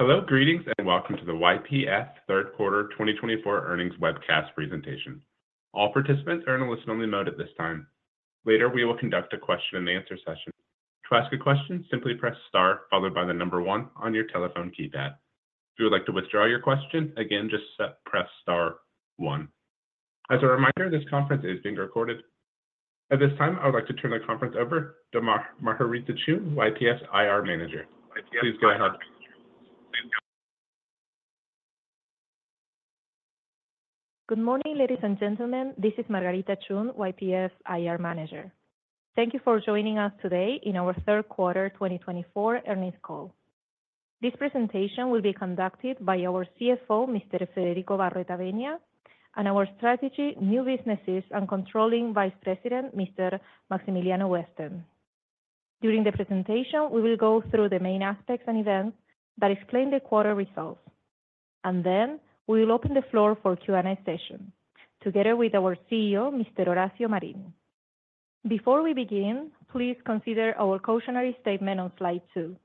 Hello, greetings, and welcome to the YPF Third Quarter 2024 Earnings Webcast presentation. All participants are in a listen-only mode at this time. Later, we will conduct a question-and-answer session. To ask a question, simply press star, followed by the number one on your telephone keypad. If you would like to withdraw your question, again, just press star, one. As a reminder, this conference is being recorded. At this time, I would like to turn the conference over to Margarita Chun, YPF IR Manager. Please go ahead. Good morning, ladies and gentlemen. This is Margarita Chun, YPF IR Manager. Thank you for joining us today in our Third Quarter 2024 Earnings Call. This presentation will be conducted by our CFO, Mr. Federico Barroetaveña, and our Strategy, New Businesses, and Controlling Vice President, Mr. Maximiliano Westen. During the presentation, we will go through the main aspects and events that explain the quarter results, and then we will open the floor for Q&A session together with our CEO, Mr. Horacio Marín. Before we begin, please consider our cautionary statement on slide two.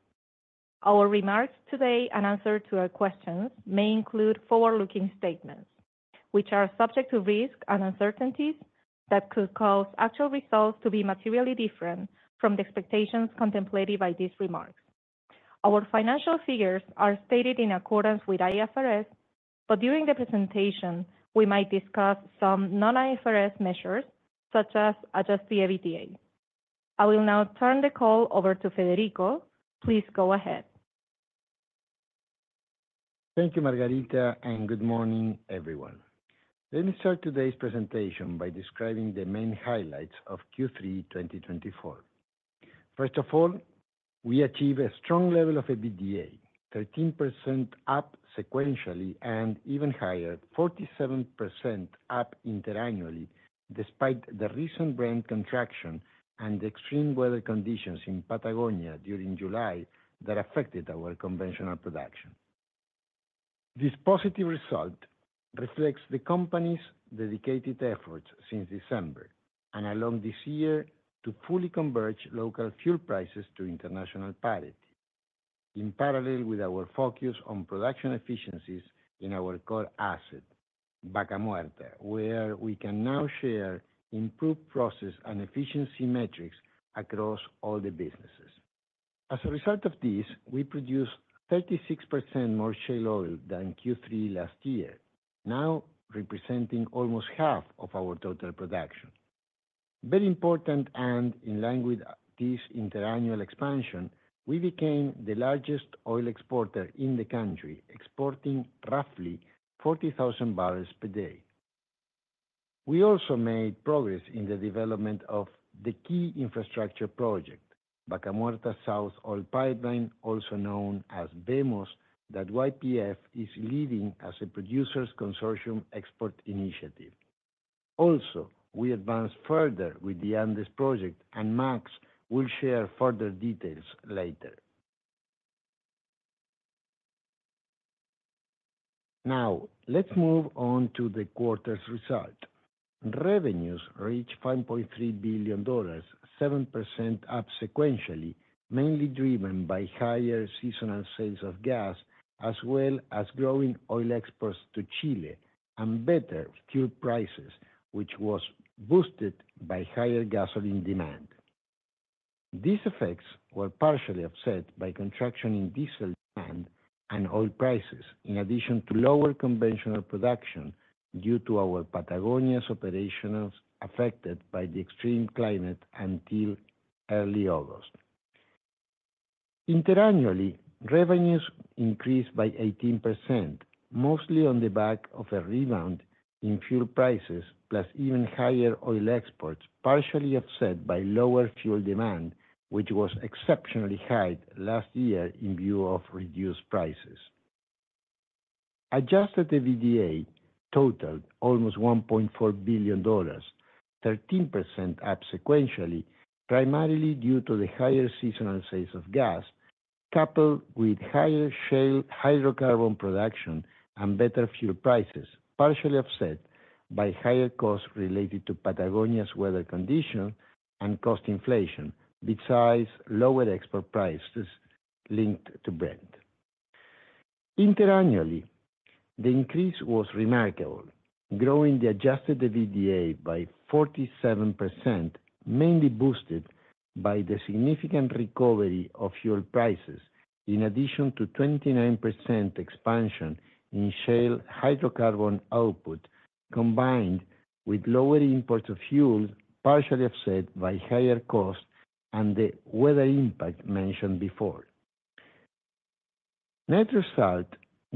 Our remarks today and answers to our questions may include forward-looking statements, which are subject to risks and uncertainties that could cause actual results to be materially different from the expectations contemplated by these remarks. Our financial figures are stated in accordance with IFRS, but during the presentation, we might discuss some non-IFRS measures, such as adjusted EBITDA. I will now turn the call over to Federico. Please go ahead. Thank you, Margarita, and good morning, everyone. Let me start today's presentation by describing the main highlights of Q3 2024. First of all, we achieved a strong level of EBITDA, 13% up sequentially and even higher, 47% up interannually, despite the recent demand contraction and the extreme weather conditions in Patagonia during July that affected our conventional production. This positive result reflects the company's dedicated efforts since December and along this year to fully converge local fuel prices to international parity, in parallel with our focus on production efficiencies in our core asset, Vaca Muerta, where we can now share improved process and efficiency metrics across all the businesses. As a result of this, we produced 36% more shale oil than Q3 last year, now representing almost half of our total production. Very important and in line with this interannual expansion, we became the largest oil exporter in the country, exporting roughly 40,000 barrels per day. We also made progress in the development of the key infrastructure project, Vaca Muerta Oil Sur Pipeline, also known as VMOS, that YPF is leading as a producers' consortium export initiative. Also, we advanced further with the Andes Project, and Max will share further details later. Now, let's move on to the quarter's result. Revenues reached $5.3 billion, 7% up sequentially, mainly driven by higher seasonal sales of gas, as well as growing oil exports to Chile and better fuel prices, which was boosted by higher gasoline demand. These effects were partially offset by contraction in diesel demand and oil prices, in addition to lower conventional production due to our Patagonia's operations affected by the extreme climate until early August. Interannually, revenues increased by 18%, mostly on the back of a rebound in fuel prices, plus even higher oil exports, partially offset by lower fuel demand, which was exceptionally high last year in view of reduced prices. Adjusted EBITDA totaled almost $1.4 billion, 13% up sequentially, primarily due to the higher seasonal sales of gas, coupled with higher shale hydrocarbon production and better fuel prices, partially offset by higher costs related to Patagonia's weather conditions and cost inflation, besides lower export prices linked to Brent. Interannually, the increase was remarkable, growing the adjusted EBITDA by 47%, mainly boosted by the significant recovery of fuel prices, in addition to 29% expansion in shale hydrocarbon output, combined with lower imports of fuel, partially offset by higher costs and the weather impact mentioned before. Net result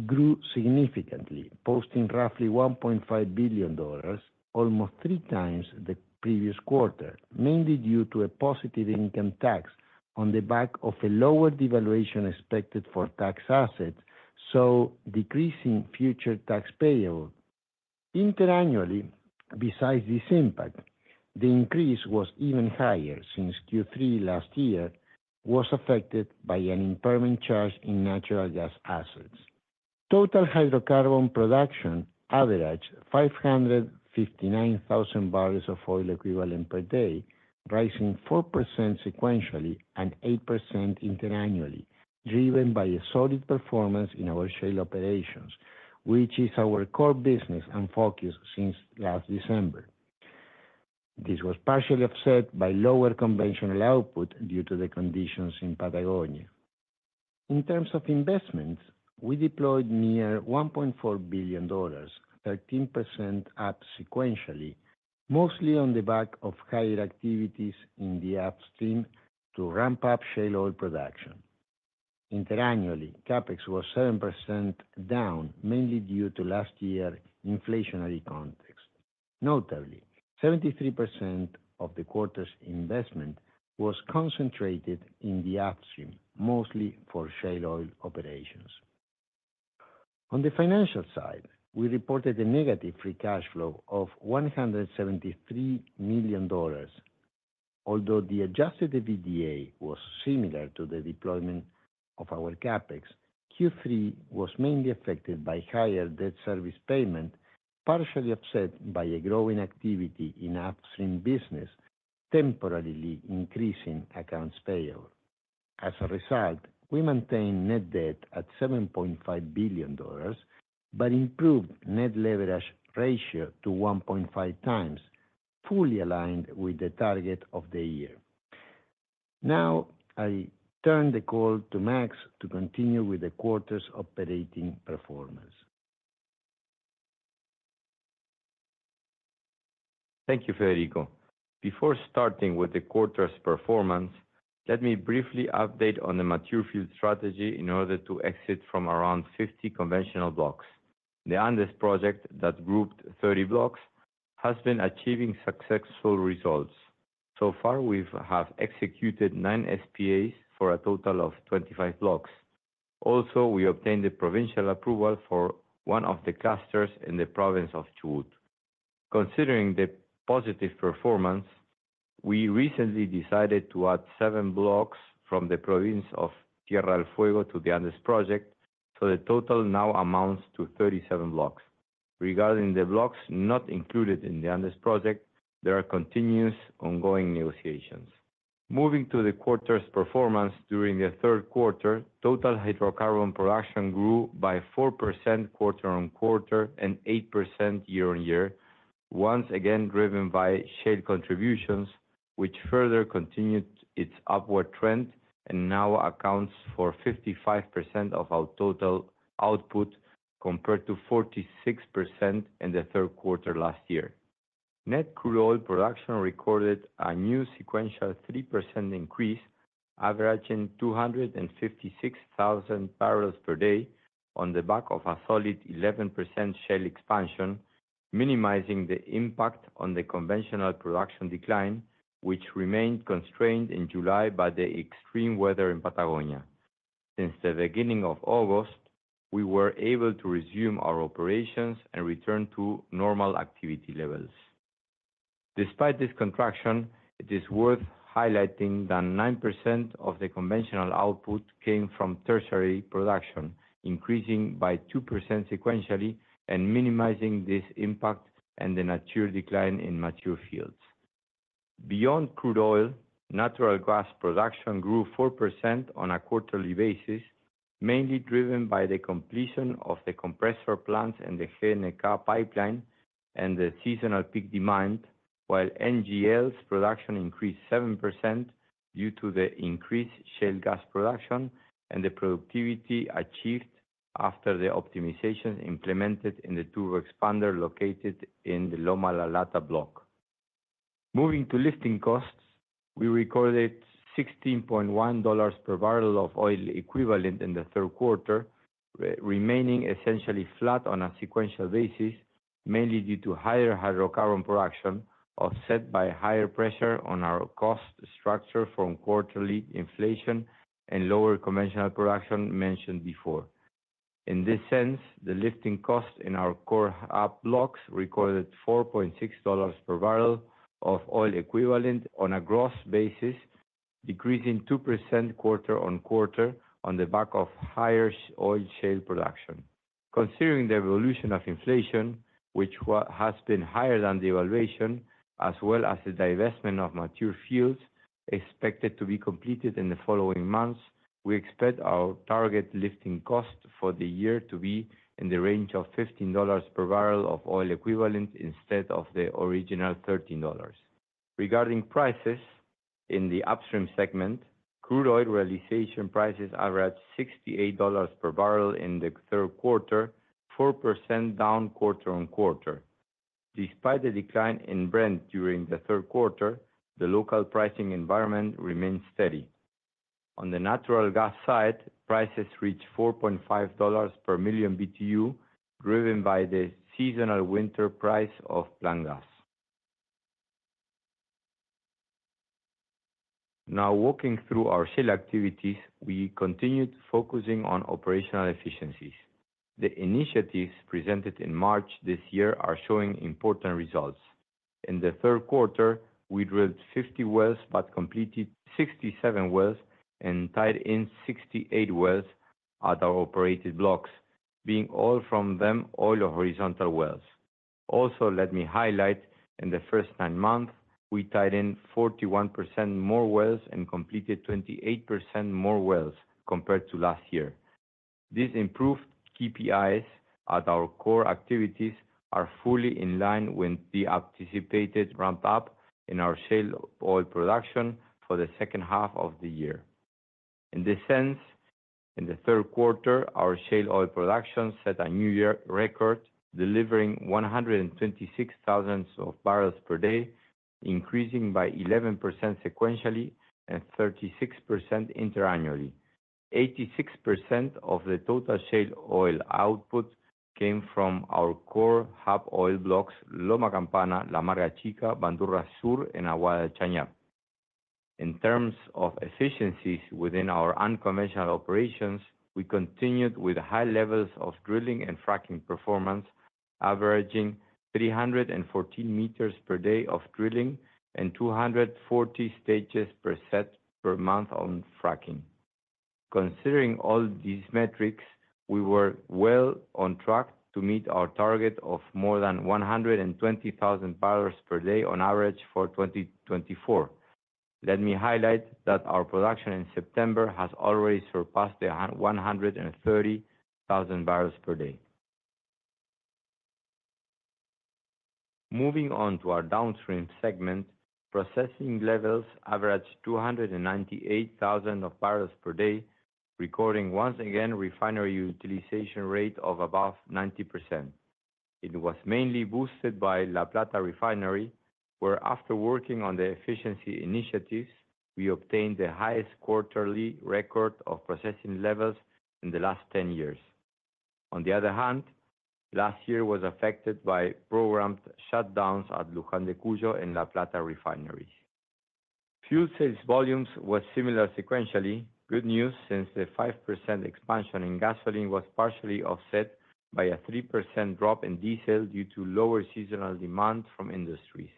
grew significantly, posting roughly $1.5 billion, almost three times the previous quarter, mainly due to a positive income tax on the back of a lower devaluation expected for tax assets, so decreasing future tax payable. Interannually, besides this impact, the increase was even higher since Q3 last year was affected by an impairment charge in natural gas assets. Total hydrocarbon production averaged 559,000 barrels of oil equivalent per day, rising 4% sequentially and 8% interannually, driven by solid performance in our shale operations, which is our core business and focus since last December. This was partially offset by lower conventional output due to the conditions in Patagonia. In terms of investments, we deployed near $1.4 billion, 13% up sequentially, mostly on the back of higher activities in the upstream to ramp up shale oil production. Interannually, CAPEX was 7% down, mainly due to last year's inflationary context. Notably, 73% of the quarter's investment was concentrated in the upstream, mostly for shale oil operations. On the financial side, we reported a negative free cash flow of $173 million. Although the adjusted EBITDA was similar to the deployment of our CAPEX, Q3 was mainly affected by higher debt service payment, partially offset by growing activity in upstream business, temporarily increasing accounts payable. As a result, we maintained net debt at $7.5 billion, but improved net leverage ratio to 1.5 times, fully aligned with the target of the year. Now, I turn the call to Max to continue with the quarter's operating performance. Thank you, Federico. Before starting with the quarter's performance, let me briefly update on the mature field strategy in order to exit from around 50 conventional blocks. The Andes Project that grouped 30 blocks has been achieving successful results. So far, we have executed nine SPAs for a total of 25 blocks. Also, we obtained the provincial approval for one of the clusters in the province of Chubut. Considering the positive performance, we recently decided to add seven blocks from the province of Tierra del Fuego to the Andes Project, so the total now amounts to 37 blocks. Regarding the blocks not included in the Andes Project, there are continuous ongoing negotiations. Moving to the quarter's performance, during the third quarter, total hydrocarbon production grew by 4% quarter on quarter and 8% year on year, once again driven by shale contributions, which further continued its upward trend and now accounts for 55% of our total output compared to 46% in the third quarter last year. Net crude oil production recorded a new sequential 3% increase, averaging 256,000 barrels per day, on the back of a solid 11% shale expansion, minimizing the impact on the conventional production decline, which remained constrained in July by the extreme weather in Patagonia. Since the beginning of August, we were able to resume our operations and return to normal activity levels. Despite this contraction, it is worth highlighting that 9% of the conventional output came from tertiary production, increasing by 2% sequentially and minimizing this impact and the mature decline in mature fields. Beyond crude oil, natural gas production grew 4% on a quarterly basis, mainly driven by the completion of the compressor plants and the GPNK pipeline and the seasonal peak demand, while NGL's production increased 7% due to the increased shale gas production and the productivity achieved after the optimizations implemented in the turbo expander located in the Loma La Lata block. Moving to lifting costs, we recorded $16.1 per barrel of oil equivalent in the third quarter, remaining essentially flat on a sequential basis, mainly due to higher hydrocarbon production, offset by higher pressure on our cost structure from quarterly inflation and lower conventional production mentioned before. In this sense, the lifting cost in our core blocks recorded $4.6 per barrel of oil equivalent on a gross basis, decreasing 2% quarter on quarter on the back of higher oil shale production. Considering the evolution of inflation, which has been higher than the expectation, as well as the divestment of mature fields expected to be completed in the following months, we expect our target lifting cost for the year to be in the range of $15 per barrel of oil equivalent instead of the original $13. Regarding prices in the upstream segment, crude oil realization prices averaged $68 per barrel in the third quarter, 4% down quarter on quarter. Despite the decline in Brent during the third quarter, the local pricing environment remained steady. On the natural gas side, prices reached $4.5 per million BTU, driven by the seasonal winter price of pipeline gas. Now, walking through our shale activities, we continued focusing on operational efficiencies. The initiatives presented in March this year are showing important results. In the third quarter, we drilled 50 wells but completed 67 wells and tied in 68 wells at our operated blocks, being all of them oil or horizontal wells. Also, let me highlight, in the first nine months, we tied in 41% more wells and completed 28% more wells compared to last year. These improved KPIs at our core activities are fully in line with the anticipated ramp-up in our shale oil production for the second half of the year. In this sense, in the third quarter, our shale oil production set a new year record, delivering 126,000 barrels per day, increasing by 11% sequentially and 36% interannually. 86% of the total shale oil output came from our core hub oil blocks, Loma Campana, La Amarga Chica, Bandurria Sur, and Aguada del Chañar. In terms of efficiencies within our unconventional operations, we continued with high levels of drilling and fracking performance, averaging 314 meters per day of drilling and 240 stages per set per month on fracking. Considering all these metrics, we were well on track to meet our target of more than $120,000 per day on average for 2024. Let me highlight that our production in September has already surpassed the 130,000 barrels per day. Moving on to our downstream segment, processing levels averaged 298,000 barrels per day, recording once again refinery utilization rate of above 90%. It was mainly boosted by La Plata Refinery, where, after working on the efficiency initiatives, we obtained the highest quarterly record of processing levels in the last 10 years. On the other hand, last year was affected by programmed shutdowns at Luján de Cuyo and La Plata Refineries. Fuel sales volumes were similar sequentially, good news since the 5% expansion in gasoline was partially offset by a 3% drop in diesel due to lower seasonal demand from industries.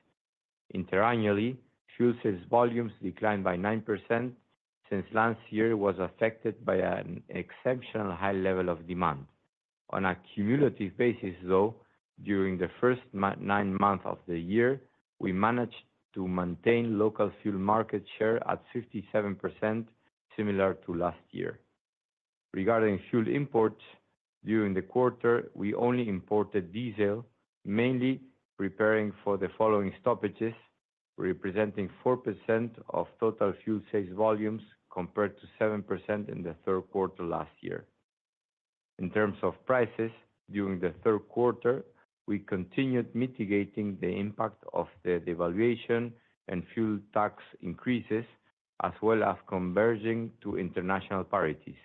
Interannually, fuel sales volumes declined by 9% since last year was affected by an exceptional high level of demand. On a cumulative basis, though, during the first nine months of the year, we managed to maintain local fuel market share at 57%, similar to last year. Regarding fuel imports, during the quarter, we only imported diesel, mainly preparing for the following stoppages, representing 4% of total fuel sales volumes compared to 7% in the third quarter last year. In terms of prices, during the third quarter, we continued mitigating the impact of the devaluation and fuel tax increases, as well as converging to international parities.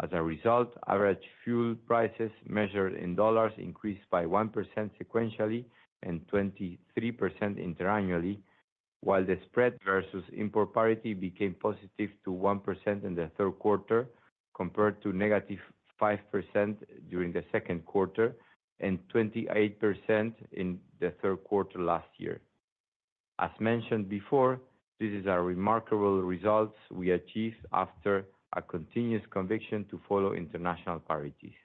As a result, average fuel prices measured in dollars increased by 1% sequentially and 23% interannually, while the spread versus import parity became positive to 1% in the third quarter compared to negative 5% during the second quarter and 28% in the third quarter last year. As mentioned before, these are remarkable results we achieved after a continuous conviction to follow international parities.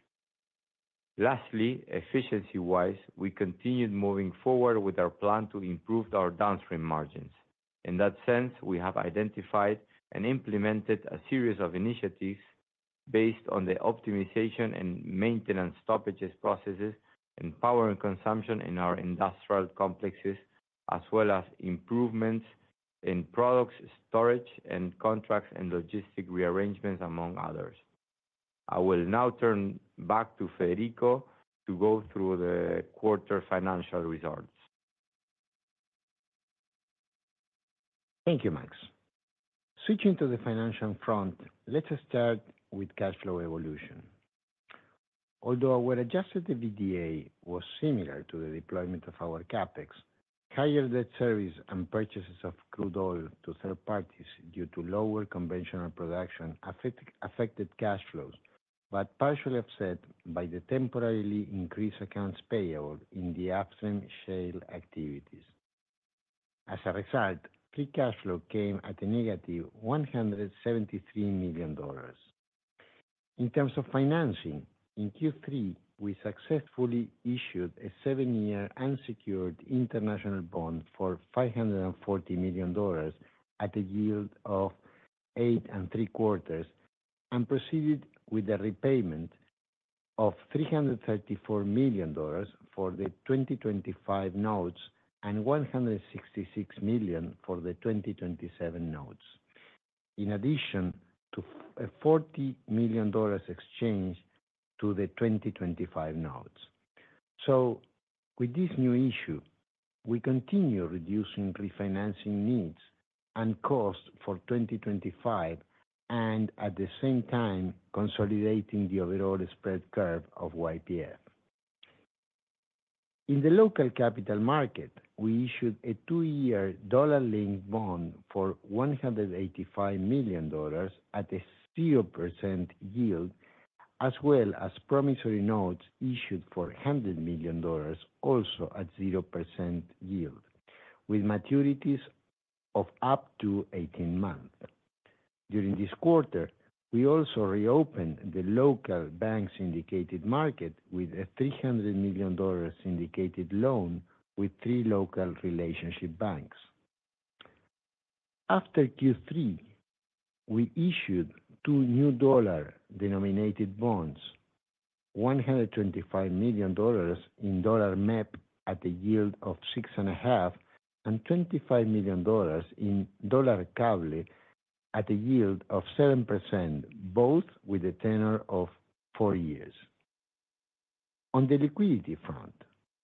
Lastly, efficiency-wise, we continued moving forward with our plan to improve our downstream margins. In that sense, we have identified and implemented a series of initiatives based on the optimization and maintenance stoppages processes and power and consumption in our industrial complexes, as well as improvements in products storage and contracts and logistic rearrangements, among others. I will now turn back to Federico to go through the quarter financial results. Thank you, Max. Switching to the financial front, let's start with cash flow evolution. Although our Adjusted EBITDA was similar to the deployment of our CAPEX, higher debt service and purchases of crude oil to third parties due to lower conventional production affected cash flows, but partially offset by the temporarily increased accounts payable in the upstream shale activities. As a result, Free Cash Flow came at a negative $173 million. In terms of financing, in Q3, we successfully issued a seven-year unsecured international bond for $540 million at a yield of 8.75%, and proceeded with the repayment of $334 million for the 2025 notes and $166 million for the 2027 notes, in addition to a $40 million exchange to the 2025 notes. With this new issue, we continue reducing refinancing needs and costs for 2025 and, at the same time, consolidating the overall spread curve of YPF. In the local capital market, we issued a two-year dollar-linked bond for $185 million at a 0% yield, as well as promissory notes issued for $100 million, also at 0% yield, with maturities of up to 18 months. During this quarter, we also reopened the local syndicated market with a $300 million syndicated loan with three local relationship banks. After Q3, we issued two new dollar-denominated bonds, $125 million in dollar MEP at a yield of 6.5% and $25 million in dollar CCL at a yield of 7%, both with a tenor of four years. On the liquidity front,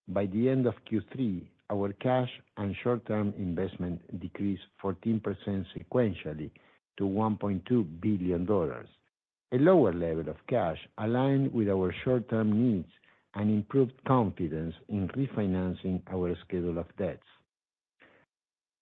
by the end of Q3, our cash and short-term investment decreased 14% sequentially to $1.2 billion, a lower level of cash aligned with our short-term needs and improved confidence in refinancing our schedule of debts.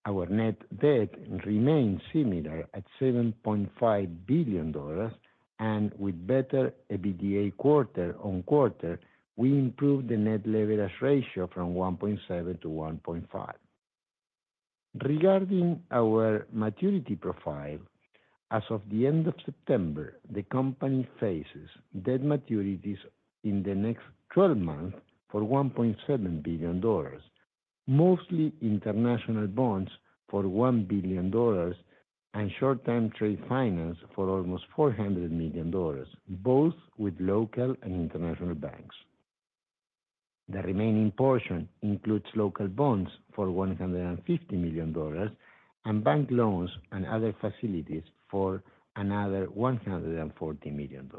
Our net debt remained similar at $7.5 billion, and with better EBITDA quarter on quarter, we improved the net leverage ratio from 1.7 to 1.5. Regarding our maturity profile, as of the end of September, the company faces debt maturities in the next 12 months for $1.7 billion, mostly international bonds for $1 billion and short-term trade finance for almost $400 million, both with local and international banks. The remaining portion includes local bonds for $150 million and bank loans and other facilities for another $140 million.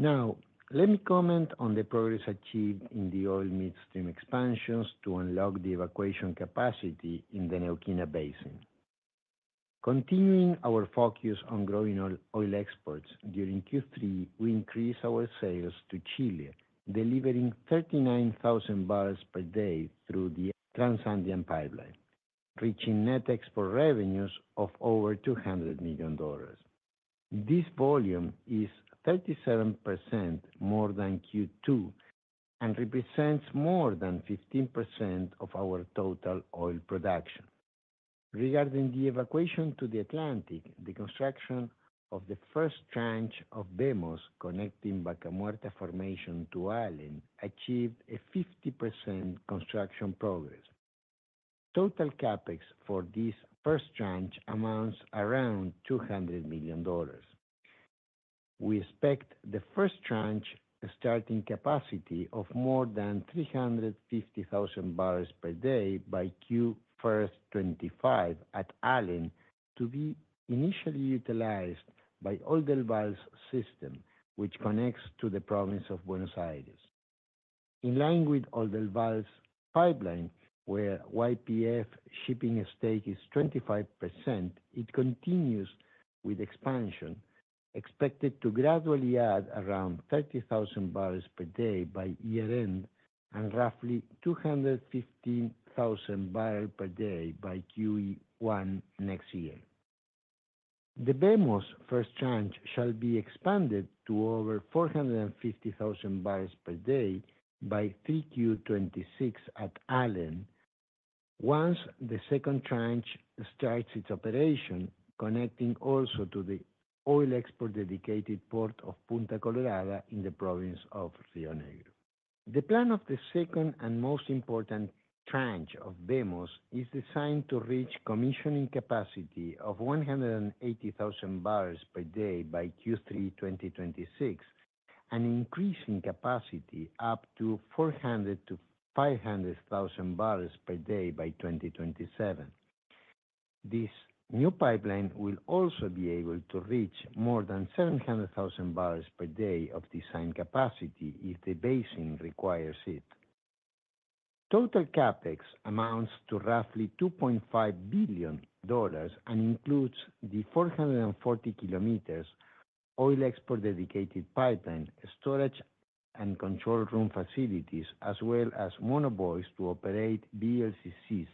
Now, let me comment on the progress achieved in the oil midstream expansions to unlock the evacuation capacity in the Neuquina Basin. Continuing our focus on growing oil exports, during Q3, we increased our sales to Chile, delivering 39,000 barrels per day through the Transandino pipeline, reaching net export revenues of over $200 million. This volume is 37% more than Q2 and represents more than 15% of our total oil production. Regarding the evacuation to the Atlantic, the construction of the first tranche of VMOS connecting Vaca Muerta Formation to Allen achieved a 50% construction progress. Total CAPEX for this first tranche amounts around $200 million. We expect the first tranche starting capacity of more than 350,000 per day by Q1 2025 at Allen to be initially utilized by Oldelval's system, which connects to the province of Buenos Aires. In line with Oldelval's pipeline, where YPF share stake is 25%, it continues with expansion, expected to gradually add around 30,000 per day by year-end and roughly 215,000 per day by Q1 next year. The VMOS first tranche shall be expanded to over 450,000 barrels per day by 3Q26 at Allen once the second tranche starts its operation, connecting also to the oil export dedicated port of Punta Colorada in the province of Río Negro. The plan of the second and most important tranche of VMOS is designed to reach commissioning capacity of 180,000 barrels per day by Q3/2026 and increasing capacity up to 400,000 to 500,000 barrels per day by 2027. This new pipeline will also be able to reach more than 700,000 barrels per day of design capacity if the basin requires it. Total CAPEX amounts to roughly $2.5 billion and includes the 440 km oil export dedicated pipeline, storage, and control room facilities, as well as monobuoys to operate VLCCs,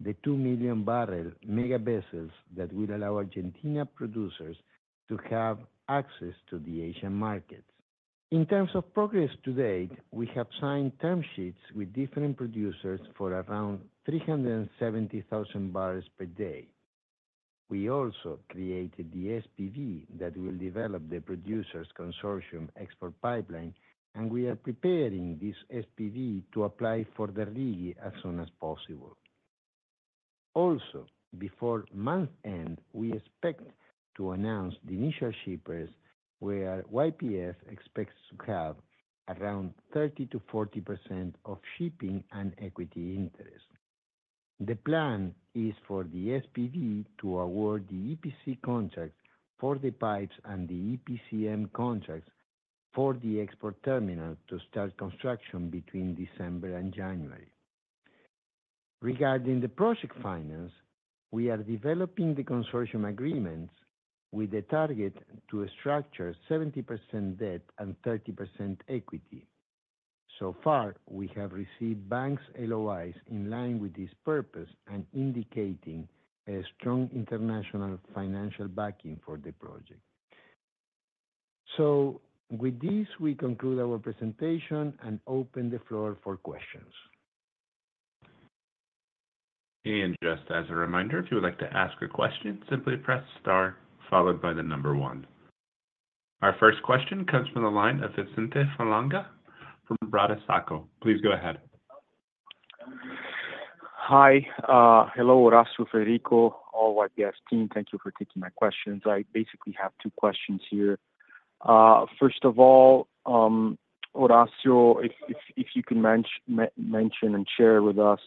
the 2 million barrel mega vessels that will allow Argentina producers to have access to the Asian markets. In terms of progress to date, we have signed term sheets with different producers for around 370,000 barrels per day. We also created the SPV that will develop the producers' consortium export pipeline, and we are preparing this SPV to apply for the RIGI as soon as possible. Also, before month-end, we expect to announce the initial shippers, where YPF expects to have around 30% to 40% of shipping and equity interest. The plan is for the SPV to award the EPC contracts for the pipes and the EPCM contracts for the export terminal to start construction between December and January. Regarding the project finance, we are developing the consortium agreements with the target to structure 70% debt and 30% equity. So far, we have received banks' LOIs in line with this purpose and indicating a strong international financial backing for the project. So, with this, we conclude our presentation and open the floor for questions. And just as a reminder, if you would like to ask a question, simply press star followed by the number one. Our first question comes from the line of Vicente Falanga from Bradesco. Please go ahead. Hi. Hello, Horacio, Federico, all YPF team. Thank you for taking my questions. I basically have two questions here. First of all, Horacio, if you can mention and share with us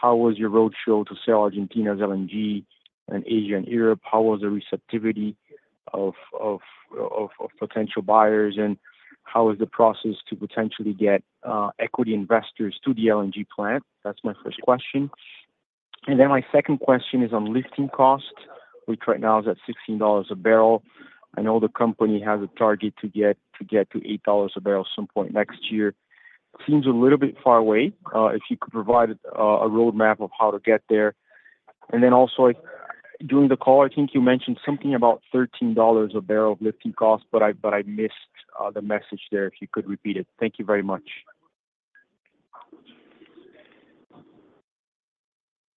how was your roadshow to sell Argentina's LNG and Asia and Europe? How was the receptivity of potential buyers? And how was the process to potentially get equity investors to the LNG plant? That's my first question. And then my second question is on lifting cost, which right now is at $16 a barrel. I know the company has a target to get to $8 a barrel at some point next year. Seems a little bit far away. If you could provide a roadmap of how to get there? And then also, during the call, I think you mentioned something about $13 a barrel of lifting cost, but I missed the message there. If you could repeat it? Thank you very much.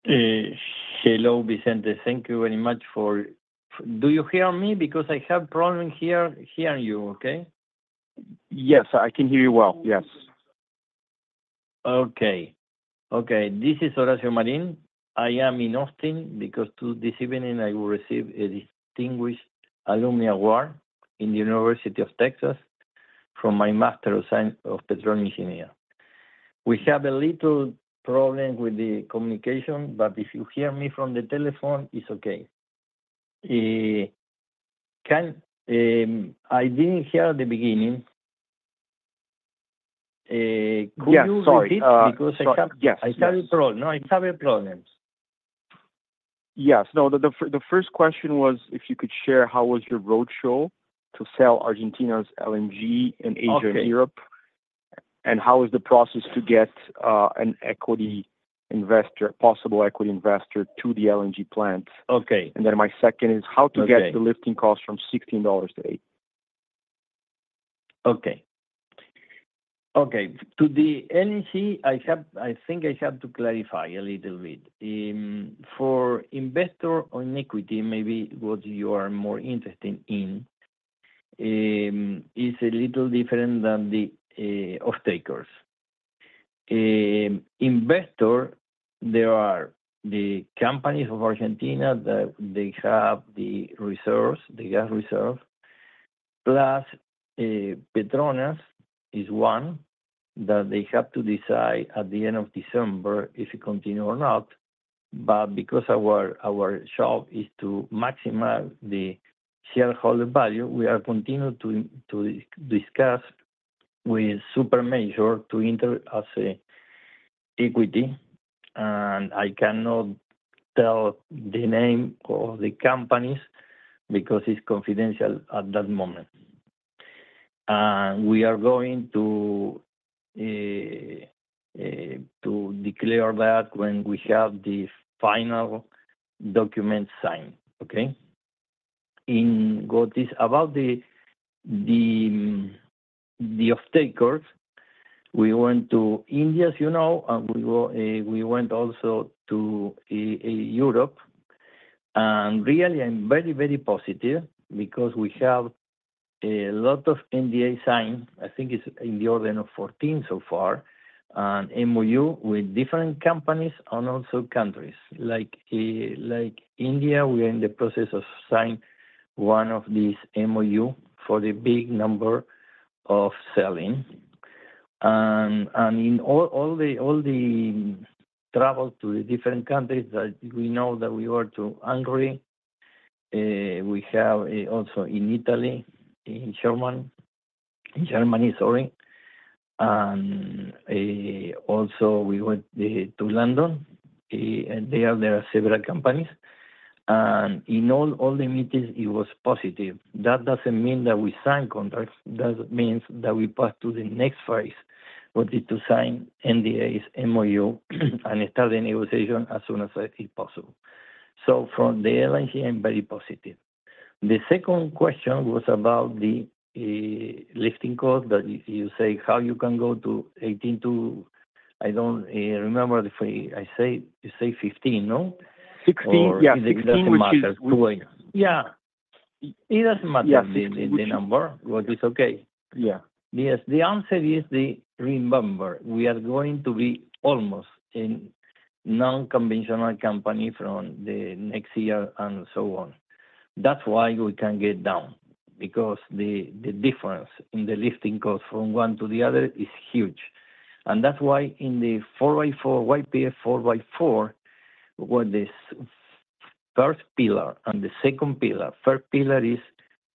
Hello, Vicente. Thank you very much for... Do you hear me? Because I have problems hearing you, okay? Yes, I can hear you well. Yes. This is Horacio Marín. I am in Austin because this evening I will receive a distinguished Alumni Award in the University of Texas from my Master of Petroleum Engineering. We have a little problem with the communication, but if you hear me from the telephone, it's okay. I didn't hear at the beginning. Could you repeat? Because I have a problem. Yes. No, the first question was if you could share how was your roadshow to sell Argentina's LNG in Asia and Europe, and how is the process to get an equity investor, possible equity investor to the LNG plant, and then my second is how to get the lifting cost from $16 today. Okay. Okay. To the LNG, I think I have to clarify a little bit. For investor on equity, maybe what you are more interested in is a little different than the off-takers. Investor, there are the companies of Argentina that they have the reserves, the gas reserve, plus Petronas is one that they have to decide at the end of December if it continues or not, but because our job is to maximize the shareholder value, we are continuing to discuss with super major to enter as an equity, and I cannot tell the name of the companies because it's confidential at that moment, and we are going to declare that when we have the final documents signed, okay? In what is about the off-takers, we went to India, as you know, and we went also to Europe. And really, I'm very, very positive because we have a lot of NDAs signed. I think it's in the order of 14 so far, and MOUs with different companies and also countries. Like India, we are in the process of signing one of these MOUs for the big number of selling. And in all the travel to the different countries that we know that we were to Hungary, we have also in Italy, in Germany, sorry. And also we went to London. There are several companies. And in all the meetings, it was positive. That doesn't mean that we signed contracts. That means that we passed to the next phase, which is to sign NDAs, MOU, and start the negotiation as soon as it's possible. So for the LNG, I'm very positive. The second question was about the lifting cost that you say how you can go to 18 to. I don't remember if I say you say 15, no? 16, yeah. It doesn't matter. Yeah. It doesn't matter the number, which is okay. Yeah. The answer is the reimbursement. We are going to be almost a non-conventional company from the next year and so on. That's why we can get down because the difference in the lifting cost from one to the other is huge. And that's why in the 4x4, YPF 4x4, what is first pillar and the second pillar, first pillar is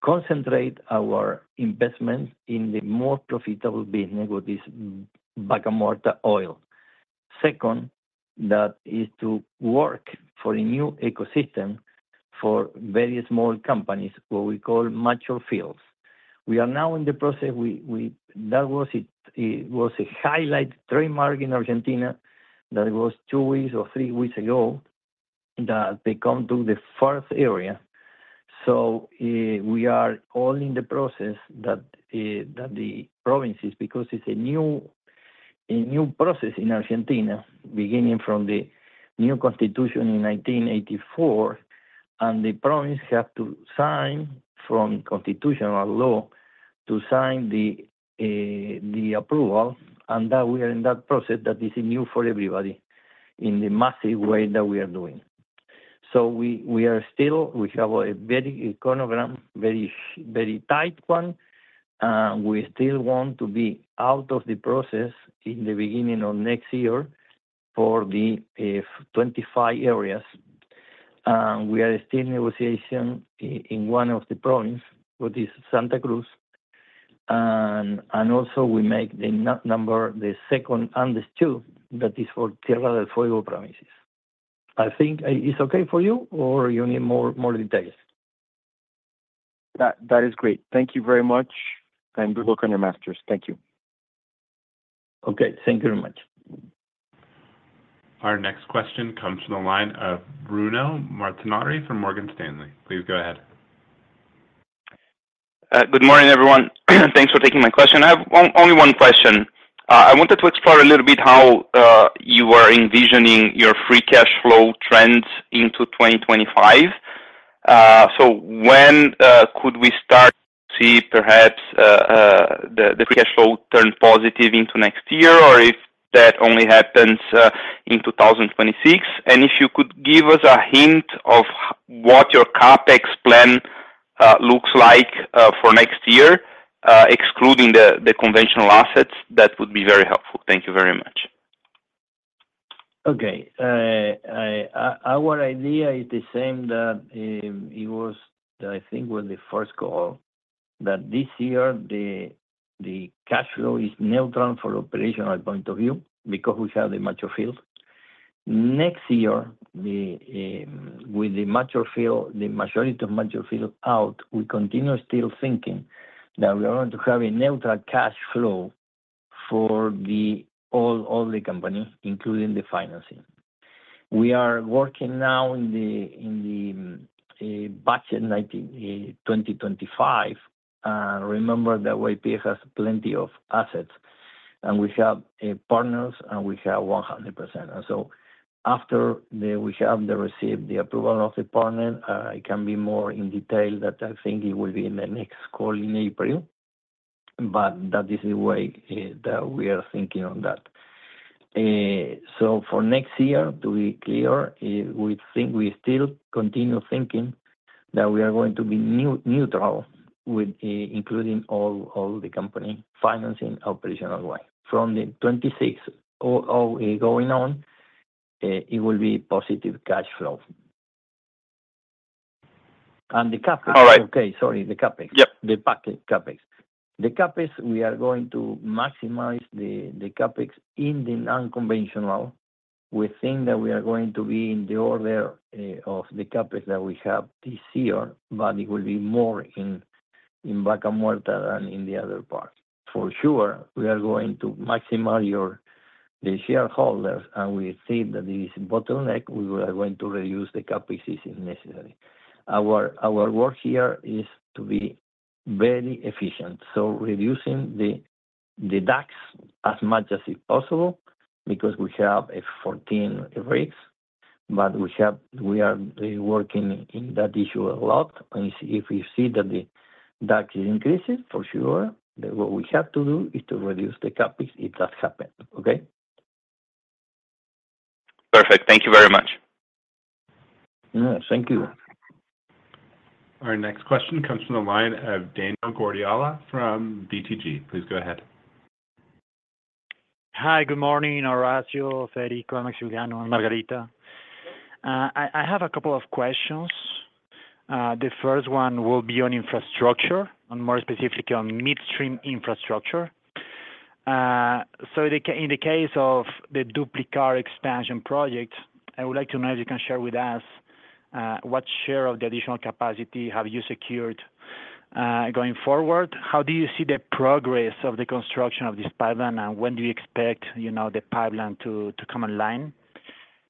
concentrate our investment in the more profitable business, which is Vaca Muerta oil. Second, that is to work for a new ecosystem for very small companies, what we call mature fields. We are now in the process. That was a highlight trademark in Argentina that was two weeks or three weeks ago that they come to the fourth area. So we are all in the process that the provinces, because it's a new process in Argentina, beginning from the new constitution in 1984, and the province has to sign from constitutional law to sign the approval. And that we are in that process that is new for everybody in the massive way that we are doing. So we are still, we have a very cronograma, very tight one. We still want to be out of the process in the beginning of next year for the 25 areas. And we are still in negotiation in one of the provinces, which is Santa Cruz. And also we make the number, the second and the two, that is for Tierra del Fuego permits. I think it's okay for you or you need more details? That is great. Thank you very much. And good luck on your master's. Thank you. Okay. Thank you very much. Our next question comes from the line of Bruno Montanari from Morgan Stanley. Please go ahead. Good morning, everyone. Thanks for taking my question. I have only one question. I wanted to explore a little bit how you were envisioning your free cash flow trends into 2025. So when could we start to see perhaps the free cash flow turn positive into next year or if that only happens in 2026? And if you could give us a hint of what your CAPEX plan looks like for next year, excluding the conventional assets, that would be very helpful. Thank you very much. Okay. Our idea is the same that it was, I think, with the first call, that this year the cash flow is neutral from an operational point of view because we have the mature field. Next year, with the majority of mature field out, we continue still thinking that we are going to have a neutral cash flow for all the companies, including the financing. We are working now in the budget 2025. Remember that YPF has plenty of assets, and we have partners, and we have 100%. And so after we have received the approval of the partner, I can be more in detail that I think it will be in the next call in April, but that is the way that we are thinking on that. For next year, to be clear, we think we still continue thinking that we are going to be neutral, including all the company financing operational way. From the 26th going on, it will be positive cash flow. And the CapEx. Okay, sorry, the CapEx. We are going to maximize the CapEx in the non-conventional. We think that we are going to be in the order of the CapEx that we have this year, but it will be more in Vaca Muerta than in the other part. For sure, we are going to maximize the shareholders, and we see that there is a bottleneck. We are going to reduce the CapEx if necessary. Our work here is to be very efficient. So reducing the CapEx as much as possible because we have 14 rigs, but we are working in that issue a lot. If you see that the tax increases, for sure, what we have to do is to reduce the CapEx if that happens, okay? Perfect. Thank you very much. Thank you. Our next question comes from the line of Daniel Guardiola from BTG. Please go ahead. Hi, good morning, Horacio, Federico, Maximiliano, Margarita. I have a couple of questions. The first one will be on infrastructure, and more specifically on midstream infrastructure. So in the case of the Duplicar expansion project, I would like to know if you can share with us what share of the additional capacity have you secured going forward? How do you see the progress of the construction of this pipeline, and when do you expect the pipeline to come online?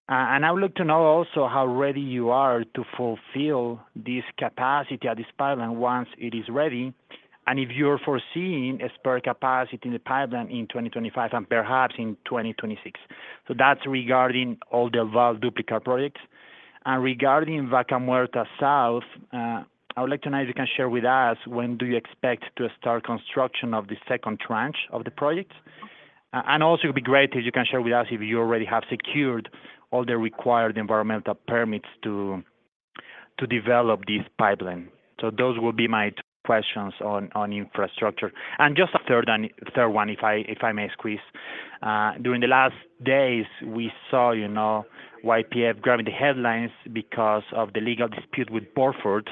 And I would like to know also how ready you are to fulfill this capacity at this pipeline once it is ready, and if you're foreseeing a spare capacity in the pipeline in 2025 and perhaps in 2026. So that's regarding all the above Duplicar projects. And regarding Vaca Muerta South, I would like to know if you can share with us when do you expect to start construction of the second tranche of the project? And also, it would be great if you can share with us if you already have secured all the required environmental permits to develop this pipeline. So those will be my two questions on infrastructure. And just a third one, if I may squeeze. During the last days, we saw YPF grabbing the headlines because of the legal dispute with Burford,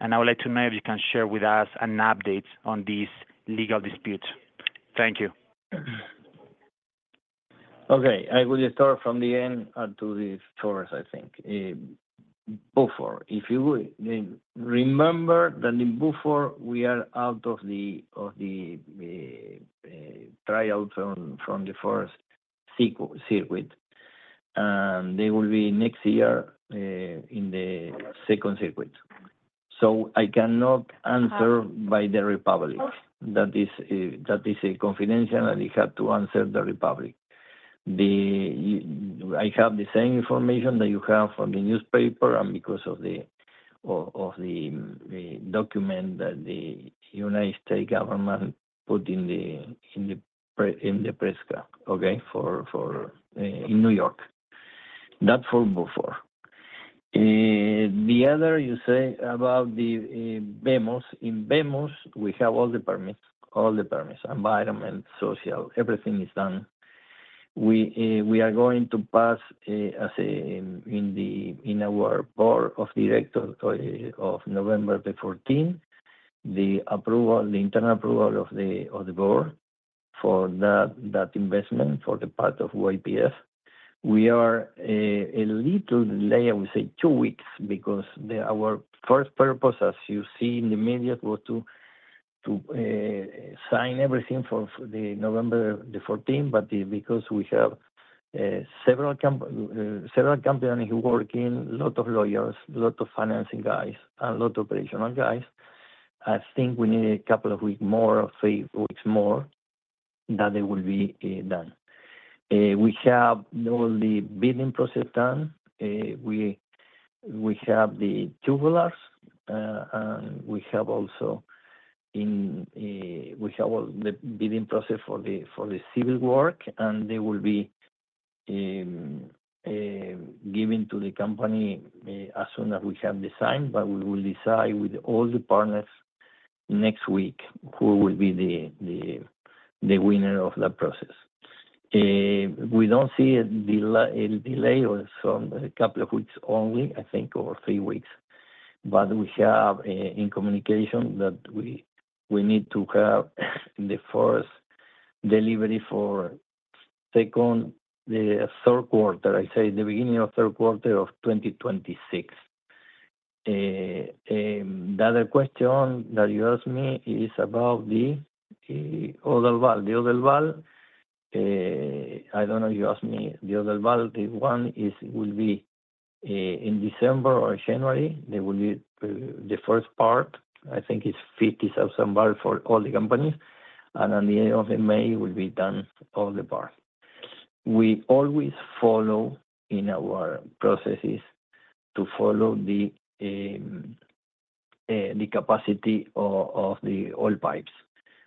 and I would like to know if you can share with us an update on this legal dispute. Thank you. Okay. I will start from the end to the fourth, I think. Burford, if you remember that in Burford, we are out of the trials from the first circuit. And they will be next year in the second circuit. So I cannot answer for the Republic. That is confidential, and you have to ask the Republic. I have the same information that you have from the newspaper and because of the document that the United States government put in the public record, okay, in New York. That's for Burford. The other you say about the VMOS. In VMOS, we have all the permits, all the permits, environment, social, everything is done. We are going to pass in our board of directors of November the 14th, the internal approval of the board for that investment for the part of YPF. We are a little delayed, I would say, two weeks because our first purpose, as you see in the media, was to sign everything for November the 14th, but because we have several companies working, a lot of lawyers, a lot of financing guys, and a lot of operational guys, I think we need a couple of weeks more, three weeks more, that it will be done. We have all the bidding process done. We have the tubulars, and we have also the bidding process for the civil work, and they will be given to the company as soon as we have the sign, but we will decide with all the partners next week who will be the winner of that process. We don't see a delay of a couple of weeks only, I think, or three weeks, but we have in communication that we need to have the first delivery for the third quarter, I say, the beginning of third quarter of 2026. The other question that you asked me is about the other value. The other value, I don't know if you asked me, the other value, the one will be in December or January. The first part, I think, is 50,000 value for all the companies, and at the end of May, it will be done all the parts. We always follow in our processes to follow the capacity of the oil pipes.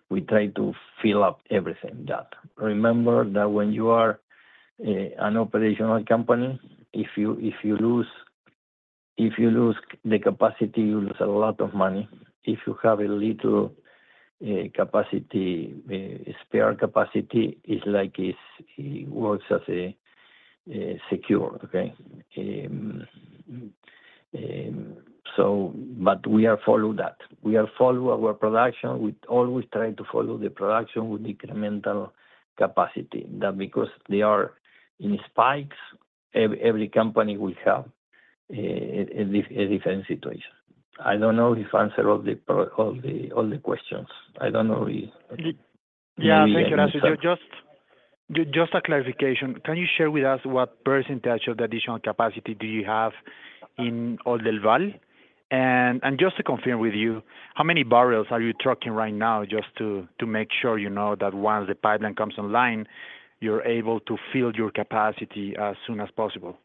We try to fill up everything that. Remember that when you are an operational company, if you lose the capacity, you lose a lot of money. If you have a little capacity, spare capacity, it's like it works as a secure, okay? But we are following that. We are following our production. We always try to follow the production with incremental capacity because they are in spikes. Every company will have a different situation. I don't know if you answered all the questions. I don't know if. Yeah, thank you, Horacio. Just a clarification. Can you share with us what percentage of the additional capacity do you have in Vaca Muerta? And just to confirm with you, how many barrels are you trucking right now just to make sure that once the pipeline comes online, you're able to fill your capacity as soon as possible?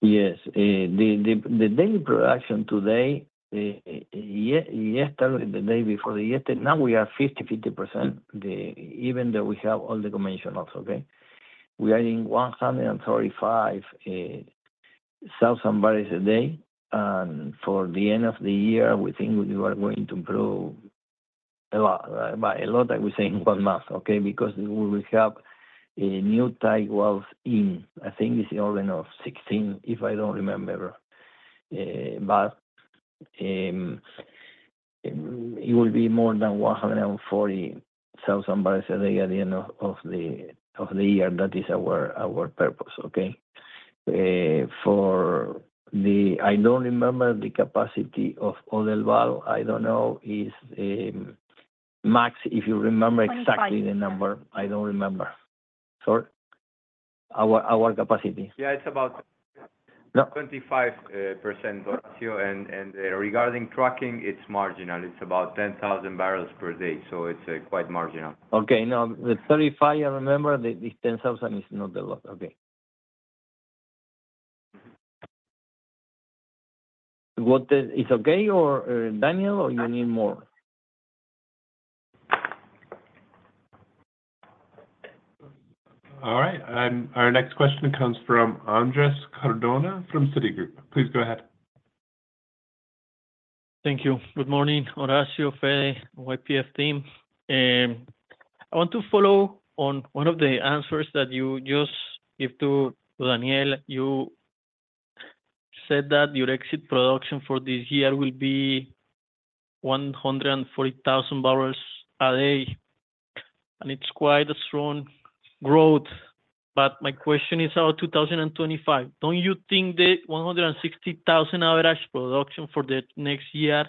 Yes. The daily production today, yesterday, the day before yesterday, now we are 50-50%, even though we have all the conventionals, okay? We are in 135,000 barrels a day. And for the end of the year, we think we are going to improve by a lot, I would say, in one month, okay? Because we will have new tight wells in, I think it's the order of 16, if I don't remember. But it will be more than 140,000 barrels a day at the end of the year. That is our purpose, okay? I don't remember the capacity of Oldelval. I don't know if you remember exactly the number. I don't remember. Sorry? Our capacity. Yeah, it's about 25%, Horacio, and regarding trucking, it's marginal. It's about 10,000 barrels per day, so it's quite marginal. Okay. No, the 35, I remember, the 10,000 is not a lot. Okay. It's okay, Daniel, or you need more? All right. Our next question comes from Andrés Cardona from Citigroup. Please go ahead. Thank you. Good morning, Horacio Marín, YPF team. I want to follow on one of the answers that you just gave to Daniel. You said that your exit production for this year will be 140,000 barrels a day. And it's quite a strong growth. But my question is about 2025. Don't you think the 160,000 average production for the next year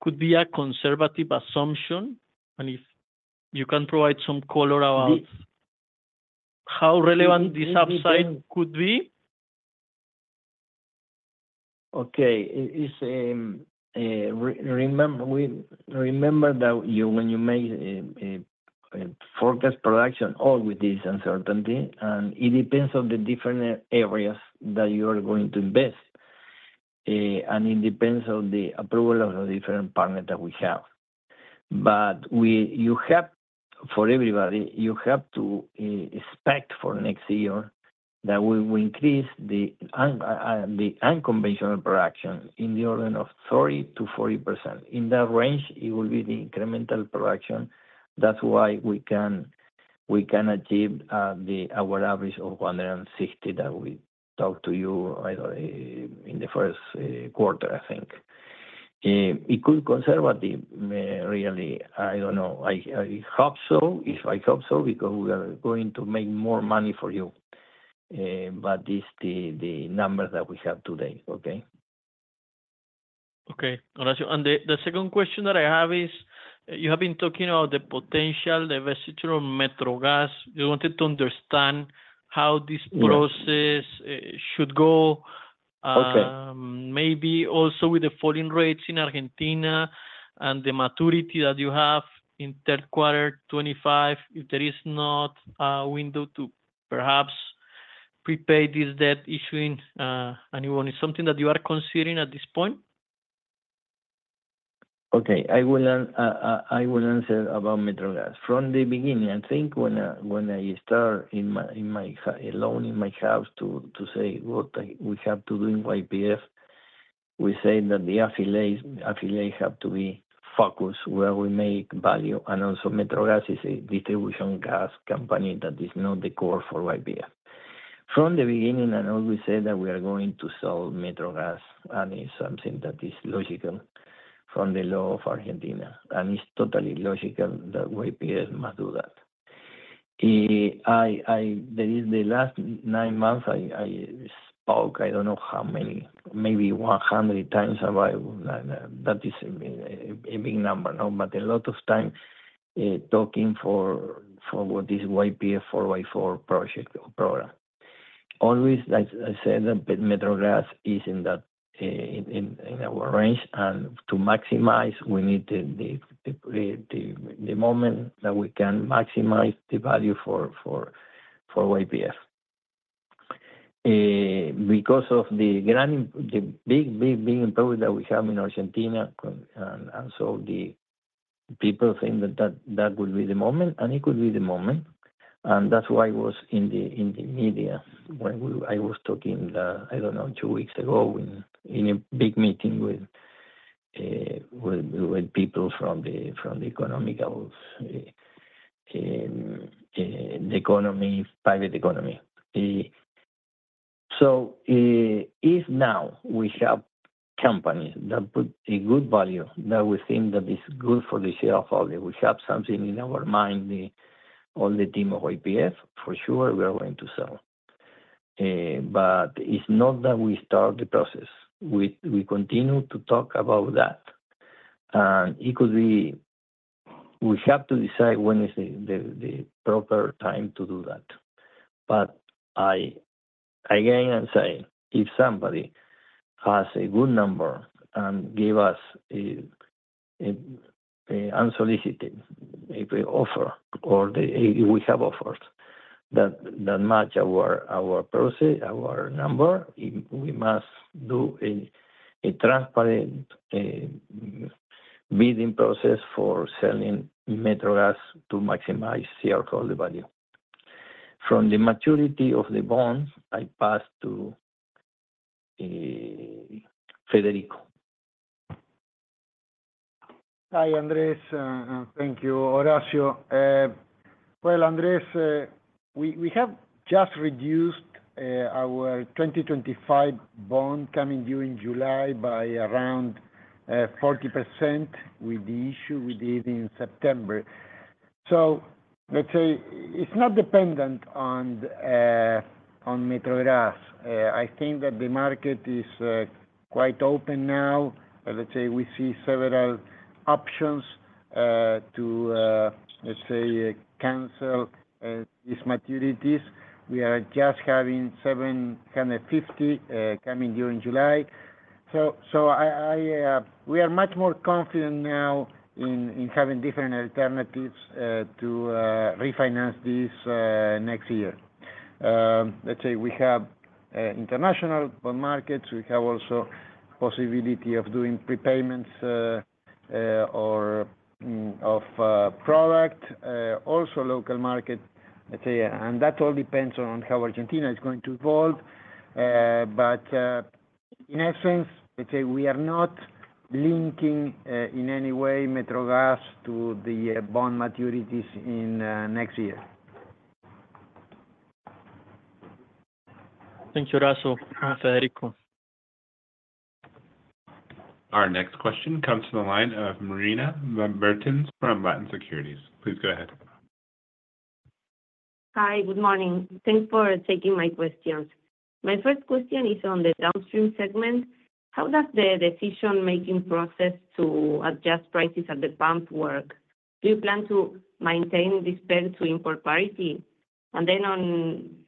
could be a conservative assumption? And if you can provide some color about how relevant this upside could be? Okay. Remember that when you make forecast production, all with this uncertainty, and it depends on the different areas that you are going to invest, and it depends on the approval of the different partners that we have, but for everybody, you have to expect for next year that we will increase the unconventional production in the order of 30% to 40%. In that range, it will be the incremental production. That's why we can achieve our average of 160 that we talked to you in the first quarter, I think. It could be conservative, really. I don't know. I hope so. I hope so because we are going to make more money for you. But it's the number that we have today, okay? Okay, Horacio. And the second question that I have is, you have been talking about the potential, the residual Metrogas. You wanted to understand how this process should go, maybe also with the falling rates in Argentina and the maturity that you have in third quarter 2025, if there is not a window to perhaps prepay this debt issuing a new one. Is something that you are considering at this point? Okay. I will answer about Metrogas. From the beginning, I think when I started alone in my house to say what we have to do in YPF, we said that the affiliates have to be focused where we make value. And also, Metrogas is a distribution gas company that is not the core for YPF. From the beginning, I always said that we are going to sell Metrogas, and it's something that is logical from the law of Argentina. And it's totally logical that YPF must do that. In the last nine months I spoke, I don't know how many, maybe 100 times about that. That is a big number, but a lot of time talking for what is YPF 4x4 project or program. Always, as I said, Metrogas is in our range. And to maximize, we need the moment that we can maximize the value for YPF. Because of the big, big, big improvement that we have in Argentina, and so the people think that that will be the moment, and it could be the moment. And that's why I was in the media when I was talking, I don't know, two weeks ago in a big meeting with people from the economical, the economy, private economy. So if now we have companies that put a good value that we think that is good for the shareholder, we have something in our mind, all the team of YPF, for sure, we are going to sell. But it's not that we start the process. We continue to talk about that. And it could be we have to decide when is the proper time to do that. But again, I'm saying, if somebody has a good number and gives us an unsolicited offer, or we have offers that match our number, we must do a transparent bidding process for selling Metrogas to maximize shareholder value. From the maturity of the bond, I pass to Federico. Hi, Andrés. Thank you, Horacio. Well, Andrés, we have just reduced our 2025 bond coming due in July by around 40% with the issue we did in September. So let's say it's not dependent on Metrogas. I think that the market is quite open now. Let's say we see several options to, let's say, cancel these maturities. We are just having 750 coming due in July. So we are much more confident now in having different alternatives to refinance this next year. Let's say we have international bond markets. We have also the possibility of doing prepayments of product, also local market, let's say. And that all depends on how Argentina is going to evolve. But in essence, let's say we are not linking in any way Metrogas to the bond maturities in next year. Thank you, Horacio. Federico. Our next question comes from the line of Marina Mertens from Latin Securities. Please go ahead. Hi, good morning. Thanks for taking my questions. My first question is on the downstream segment. How does the decision-making process to adjust prices at the pump work? Do you plan to maintain this parity to import parity? And then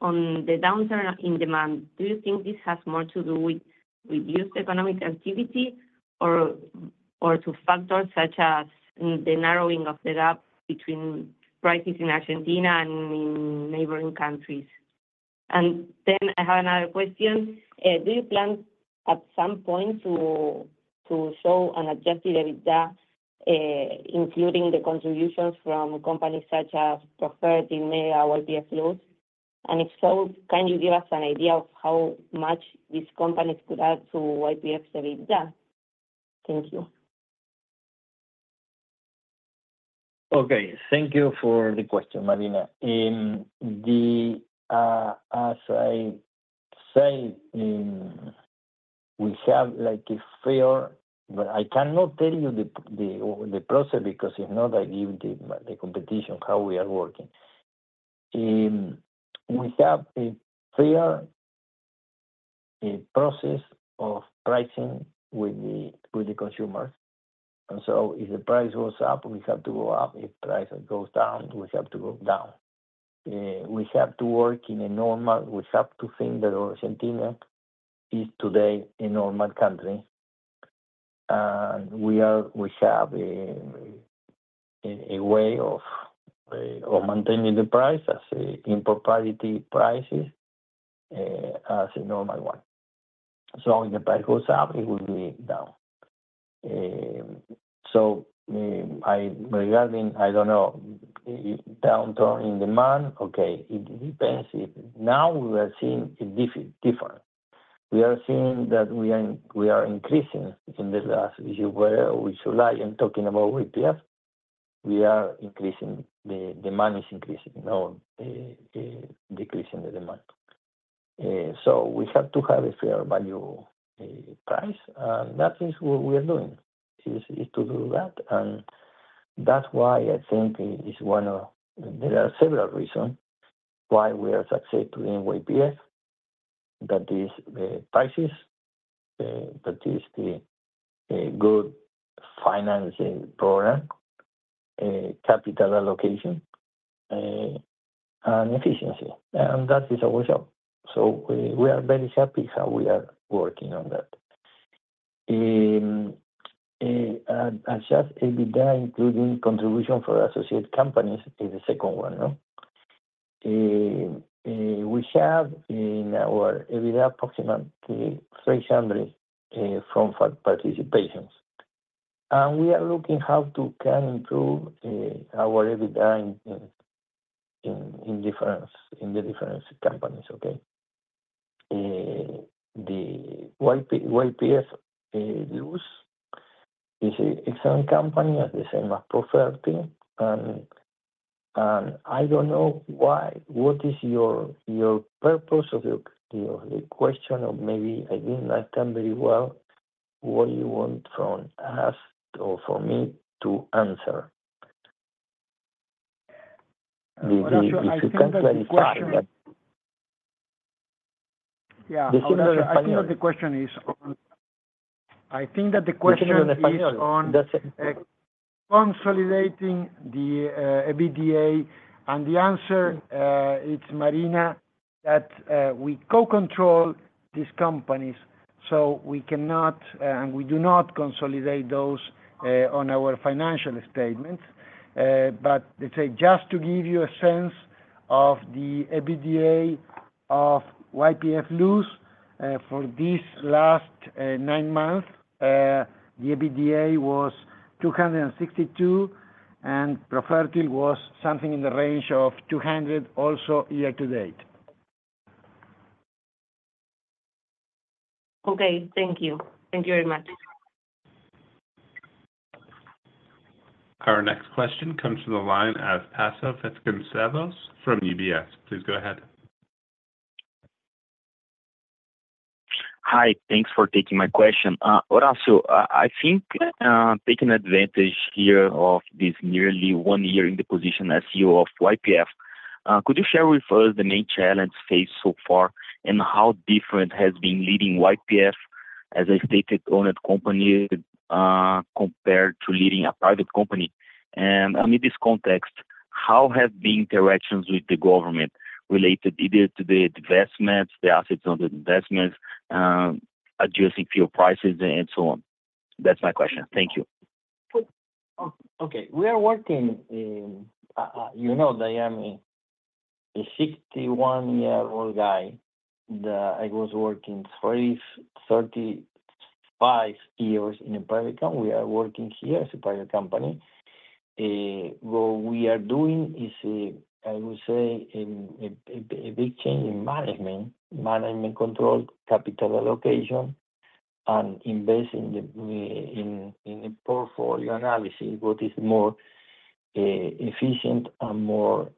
on the downturn in demand, do you think this has more to do with reduced economic activity or to factors such as the narrowing of the gap between prices in Argentina and in neighboring countries? And then I have another question. Do you plan at some point to show an Adjusted EBITDA, including the contributions from companies such as Profertil, Mega, YPF Luz? And if so, can you give us an idea of how much these companies could add to YPF's EBITDA? Thank you. Okay. Thank you for the question, Marina. As I said, we have a fair. Well, I cannot tell you the process because it's not the competition, how we are working. We have a fair process of pricing with the consumers. And so if the price goes up, we have to go up. If the price goes down, we have to go down. We have to work in a normal. We have to think that Argentina is today a normal country. And we have a way of maintaining the price as import parity prices as a normal one. So if the price goes up, it will be down. So regarding, I don't know, downturn in demand, okay, it depends. Now we are seeing it different. We are seeing that we are increasing in the last. Where we should lie, I'm talking about YPF. We are increasing. The demand is increasing, not decreasing the demand. So we have to have a fair value price. And that is what we are doing, is to do that. And that's why I think it's one of, there are several reasons why we are successful in YPF. That is the prices, that is the good financing program, capital allocation, and efficiency. And that is our job. So we are very happy how we are working on that. As just EBITDA, including contribution for associated companies, is the second one. We have in our EBITDA approximately 300 from participations. And we are looking how to improve our EBITDA in the different companies, okay? YPF Luz is an excellent company, as the same as Profertil. And I don't know what is your purpose of the question, or maybe I didn't understand very well what you want from us or from me to answer. If you can clarify that. Yeah. I think that the question is on consolidating the EBITDA. And the answer is, Marina, that we co-control these companies. So we cannot and we do not consolidate those on our financial statements. But let's say just to give you a sense of the EBITDA of YPF Luz for this last nine months, the EBITDA was 262, and Profertil was something in the range of 200 also year to date. Okay. Thank you. Thank you very much. Our next question comes from the line of Tasso Vasconcellos from UBS. Please go ahead. Hi. Thanks for taking my question. Horacio, I think taking advantage here of this nearly one year in the position as CEO of YPF, could you share with us the main challenge faced so far and how different has been leading YPF as a state-owned company compared to leading a private company? And in this context, how have the interactions with the government related either to the investments, the assets on the investments, adjusting fuel prices, and so on? That's my question. Thank you. Okay. We are working, you know that I am a 61-year-old guy. I was working 35 years in a private company. We are working here as a private company. What we are doing is, I would say, a big change in management, management control, capital allocation, and investing in portfolio analysis, what is more efficient and more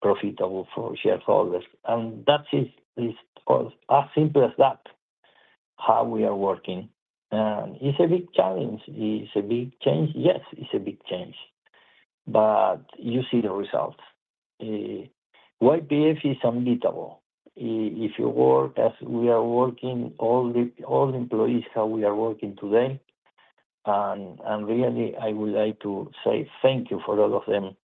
profitable for shareholders. And that is as simple as that, how we are working. And it's a big challenge. It's a big change. Yes, it's a big change. But you see the results. YPF is unbeatable. If you work as we are working, all the employees how we are working today. And really, I would like to say thank you for all of them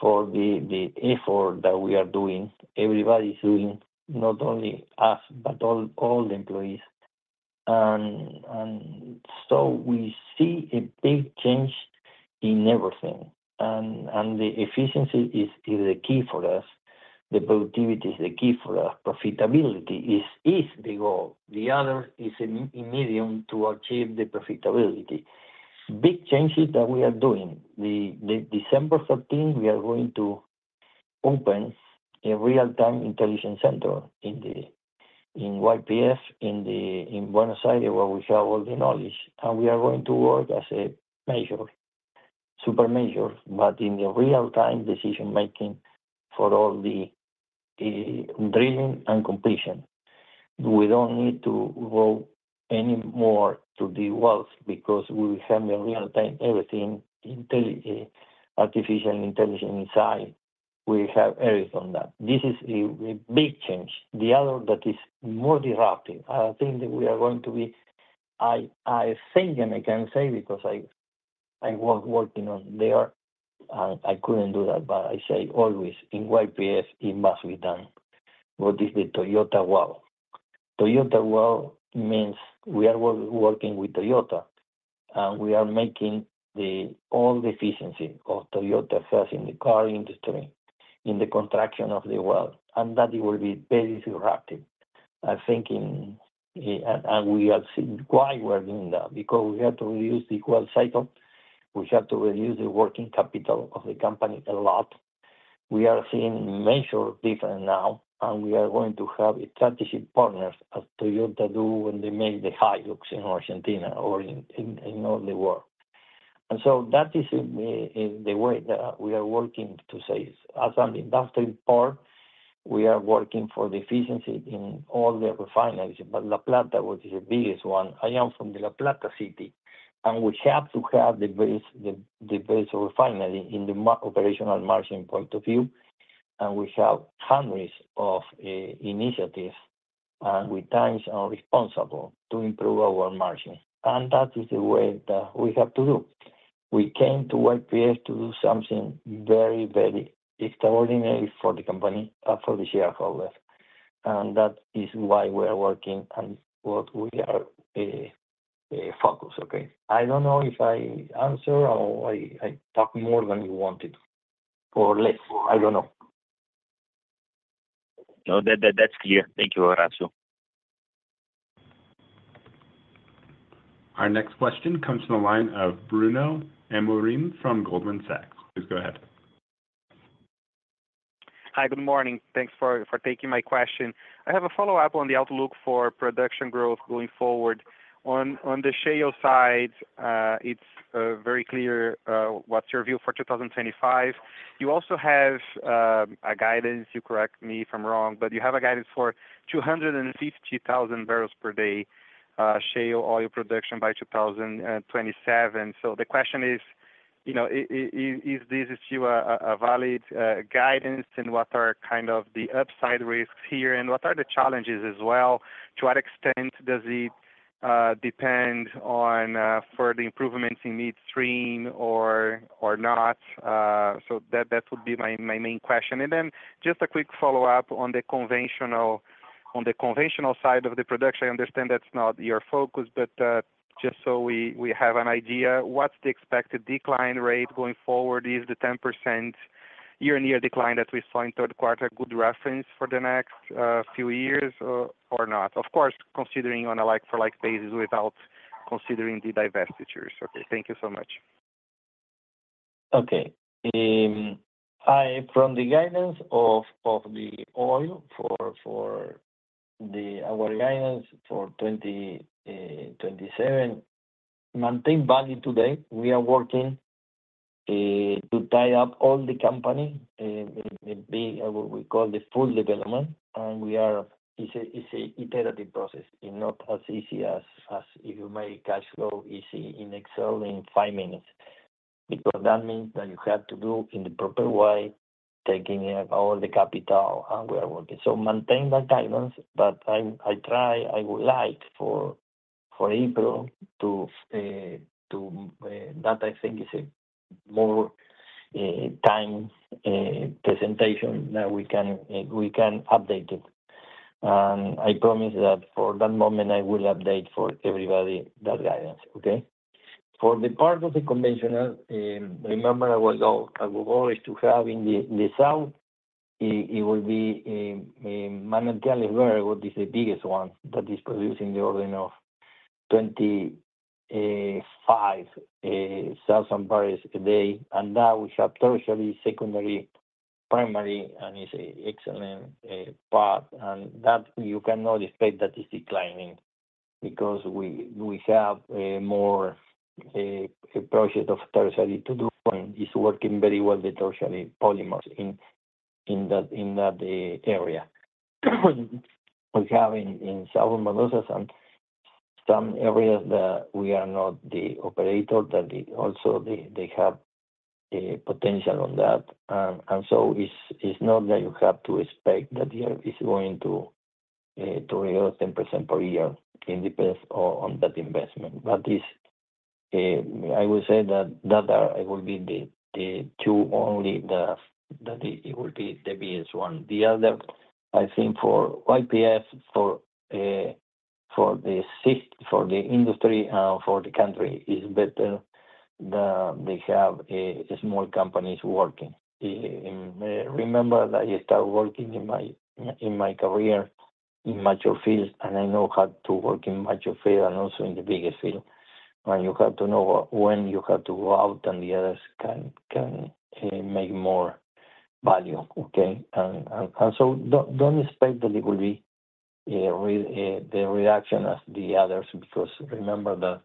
for the effort that we are doing, everybody's doing, not only us, but all the employees. And so we see a big change in everything. And the efficiency is the key for us. The productivity is the key for us. Profitability is the goal. The other is a medium to achieve the profitability. Big changes that we are doing. December 13, we are going to open a real-time intelligence center in YPF in Buenos Aires, where we have all the knowledge, and we are going to work as a major, super major, but in the real-time decision-making for all the drilling and completion. We don't need to go any more to the wells because we have the real-time everything, artificial intelligence inside. We have everything on that. This is a big change. The other that is more disruptive. I think that we are going to be. I think, and I can say because I was working on that, and I couldn't do that, but I say always in YPF, it must be done. What is the Toyota [Well]? Toyota [Well] means we are working with Toyota, and we are making all the efficiency of Toyota has in the car industry, in the construction of the [well]. That will be very disruptive, I think, and we are seeing why we are doing that, because we have to reduce the whole cycle. We have to reduce the working capital of the company a lot. We are seeing major difference now, and we are going to have strategic partners, as Toyota do when they make the Hilux in Argentina or in all the world. That is the way that we are working today. As an industrial part, we are working for the efficiency in all the refineries, but La Plata, which is the biggest one. I am from the La Plata City, and we have to have the best refinery in the operational margin point of view, and we have hundreds of initiatives, and we're on time and responsible to improve our margin, and that is the way that we have to do. We came to YPF to do something very, very extraordinary for the company, for the shareholders, and that is why we are working and what we are focused, okay? I don't know if I answered or I talked more than you wanted or less. I don't know. No, that's clear. Thank you, Horacio. Our next question comes from the line of Bruno Amorim from Goldman Sachs. Please go ahead. Hi, good morning. Thanks for taking my question. I have a follow-up on the outlook for production growth going forward. On the shale side, it's very clear. What's your view for 2025? You also have a guidance, you correct me if I'm wrong, but you have a guidance for 250,000 barrels per day shale oil production by 2027. So the question is, is this still a valid guidance, and what are kind of the upside risks here, and what are the challenges as well? To what extent does it depend on further improvements in midstream or not? So that would be my main question. And then just a quick follow-up on the conventional side of the production. I understand that's not your focus, but just so we have an idea, what's the expected decline rate going forward? Is the 10% year-on-year decline that we saw in third quarter a good reference for the next few years or not? Of course, considering on a like-for-like basis without considering the divestitures. Okay. Thank you so much. Okay. Hi. From the guidance of the oil for our guidance for 2027, maintain value today. We are working to tie up all the company. It will be what we call the full development, and it's an iterative process. It's not as easy as if you make cash flow easy in Excel in five minutes. Because that means that you have to do in the proper way, taking out all the capital, and we are working. So maintain that guidance, but I try. I would like for April to—that I think is a more timely presentation that we can update it. And I promise that for that moment, I will update for everybody that guidance, okay? For the part of the conventional, remember we'll have in the south. It will be managed by what is the biggest one that is producing on the order of 25,000 barrels a day. And now we have tertiary, secondary, primary, and it's an excellent part. And that you cannot expect that it's declining because we have more projects of tertiary to do. And it's working very well, the tertiary polymers in that area. We have in southern Mendoza some areas that we are not the operator, that also they have potential on that. And so it's not that you have to expect that it's going to really 10% per year independent of that investment. But I would say that that will be the two only that it will be the biggest one. The other, I think, for YPF, for the industry and for the country, is better that they have small companies working. Remember that I started working in my career in major fields, and I know how to work in major fields and also in the biggest field. And you have to know when you have to go out, and the others can make more value, okay? And so don't expect that it will be the reaction as the others because remember that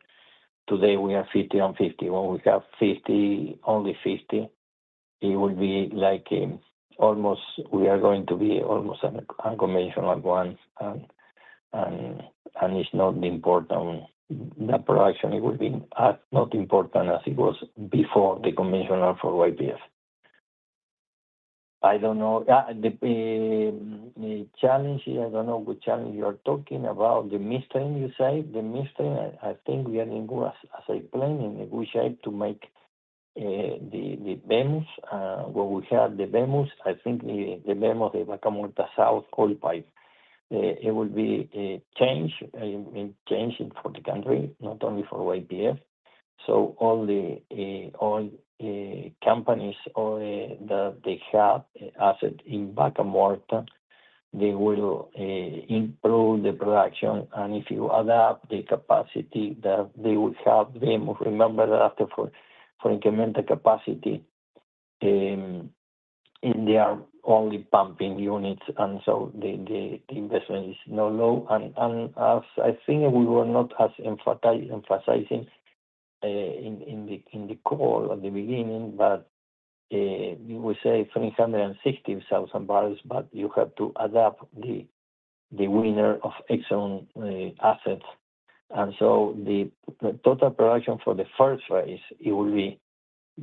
today we are 50 on 50. When we have only 50, it will be like almost we are going to be almost unconventional ones, and it's not the important. That production, it will be not as important as it was before the conventional for YPF. I don't know. The challenge is, I don't know which challenge you are talking about. The midstream, you say? The midstream, I think we are in, as I explained, in a good shape to make the VMOS. When we have the VMOS, I think the VMOS, the Vaca Muerta South oil pipe, it will be a change for the country, not only for YPF. All the companies that they have assets in Vaca Muerta, they will improve the production. If you adapt the capacity that they will have VMOS, remember that for incremental capacity, they are only pumping units, and so the investment is not low. As I think we were not as emphasizing in the call at the beginning, but we say 360,000 barrels, but you have to adapt the winner of Exxon assets. And so, the total production for the first phase will be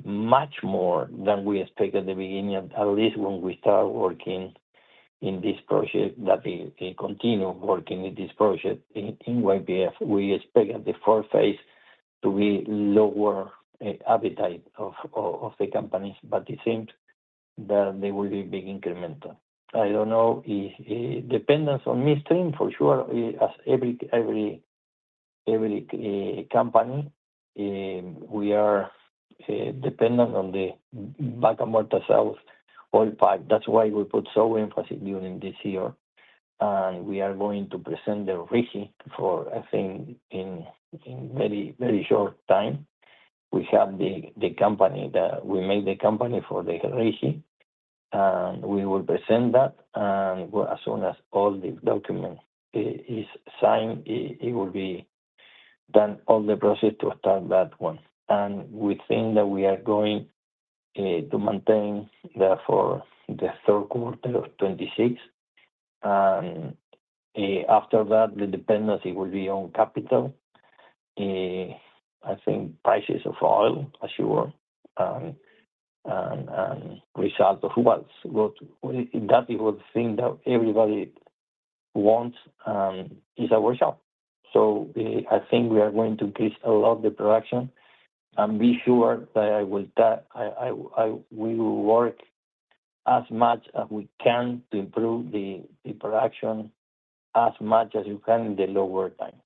much more than we expected at the beginning, at least when we started working in this project that we continue working in this project in YPF. We expect that the fourth phase to be lower appetite of the companies, but it seems that there will be a big increment. I don't know. Dependence on midstream, for sure. As every company, we are dependent on the Vaca Muerta South oil pipe. That's why we put so much emphasis during this year. And we are going to present the RIGI for, I think, in very, very short time. We have the company that we made for the RIGI, and we will present that. And as soon as all the documents are signed, it will be done, all the process to start that one. We think that we are going to maintain that for the third quarter of 2026. After that, the dependency will be on capital, I think, prices of oil, as you were, and result of what's good. That is the thing that everybody wants, and it's our job. I think we are going to increase a lot of the production and be sure that we will work as much as we can to improve the production as much as you can in the lower time.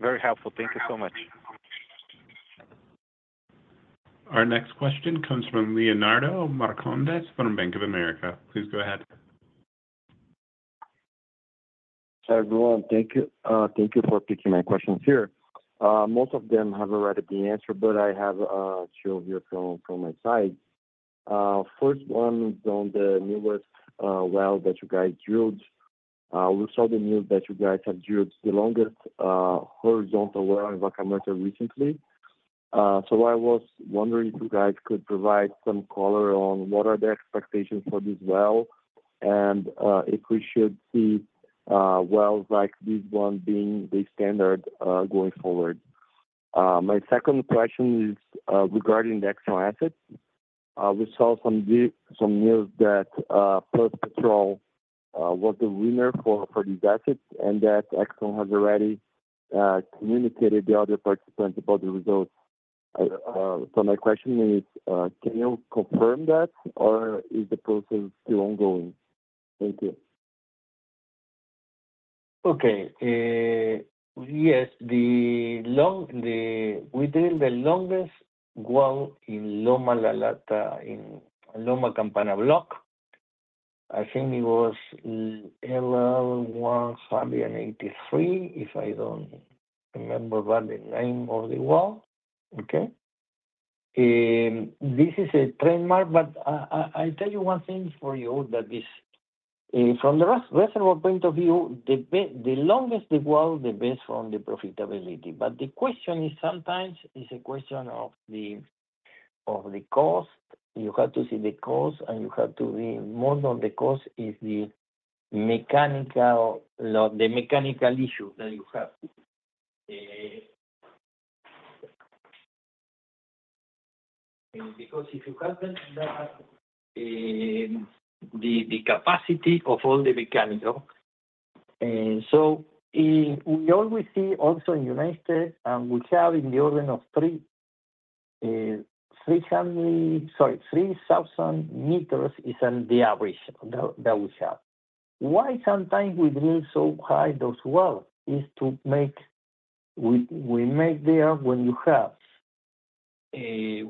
Very helpful. Thank you so much. Our next question comes from Leonardo Marcondes from Bank of America. Please go ahead. Hi, everyone. Thank you for picking my questions here. Most of them have already been answered, but I have a few here from my side. First one is on the newest well that you guys drilled. We saw the news that you guys have drilled the longest horizontal well in Vaca Muerta recently. So I was wondering if you guys could provide some color on what are the expectations for this well and if we should see wells like this one being the standard going forward. My second question is regarding the Exxon assets. We saw some news that Pluspetrol was the winner for these assets and that Exxon has already communicated the other participants about the results. So my question is, can you confirm that, or is the process still ongoing? Thank you. Okay. Yes. We drilled the longest well in Loma Campana Block. I think it was [LL1183], if I don't remember badly the name of the well. Okay. This is a trademark, but I'll tell you one thing for you that is, from the reservoir point of view, the longest well, the best from the profitability. But the question is sometimes it's a question of the cost. You have to see the cost, and you have to be more than the cost is the mechanical issue that you have. Because if you have the capacity of all the mechanical. So we always see also in United States, and we have in the order of 3,000 meters is the average that we have. Why sometimes we drill so high those wells is to make we make there when you have the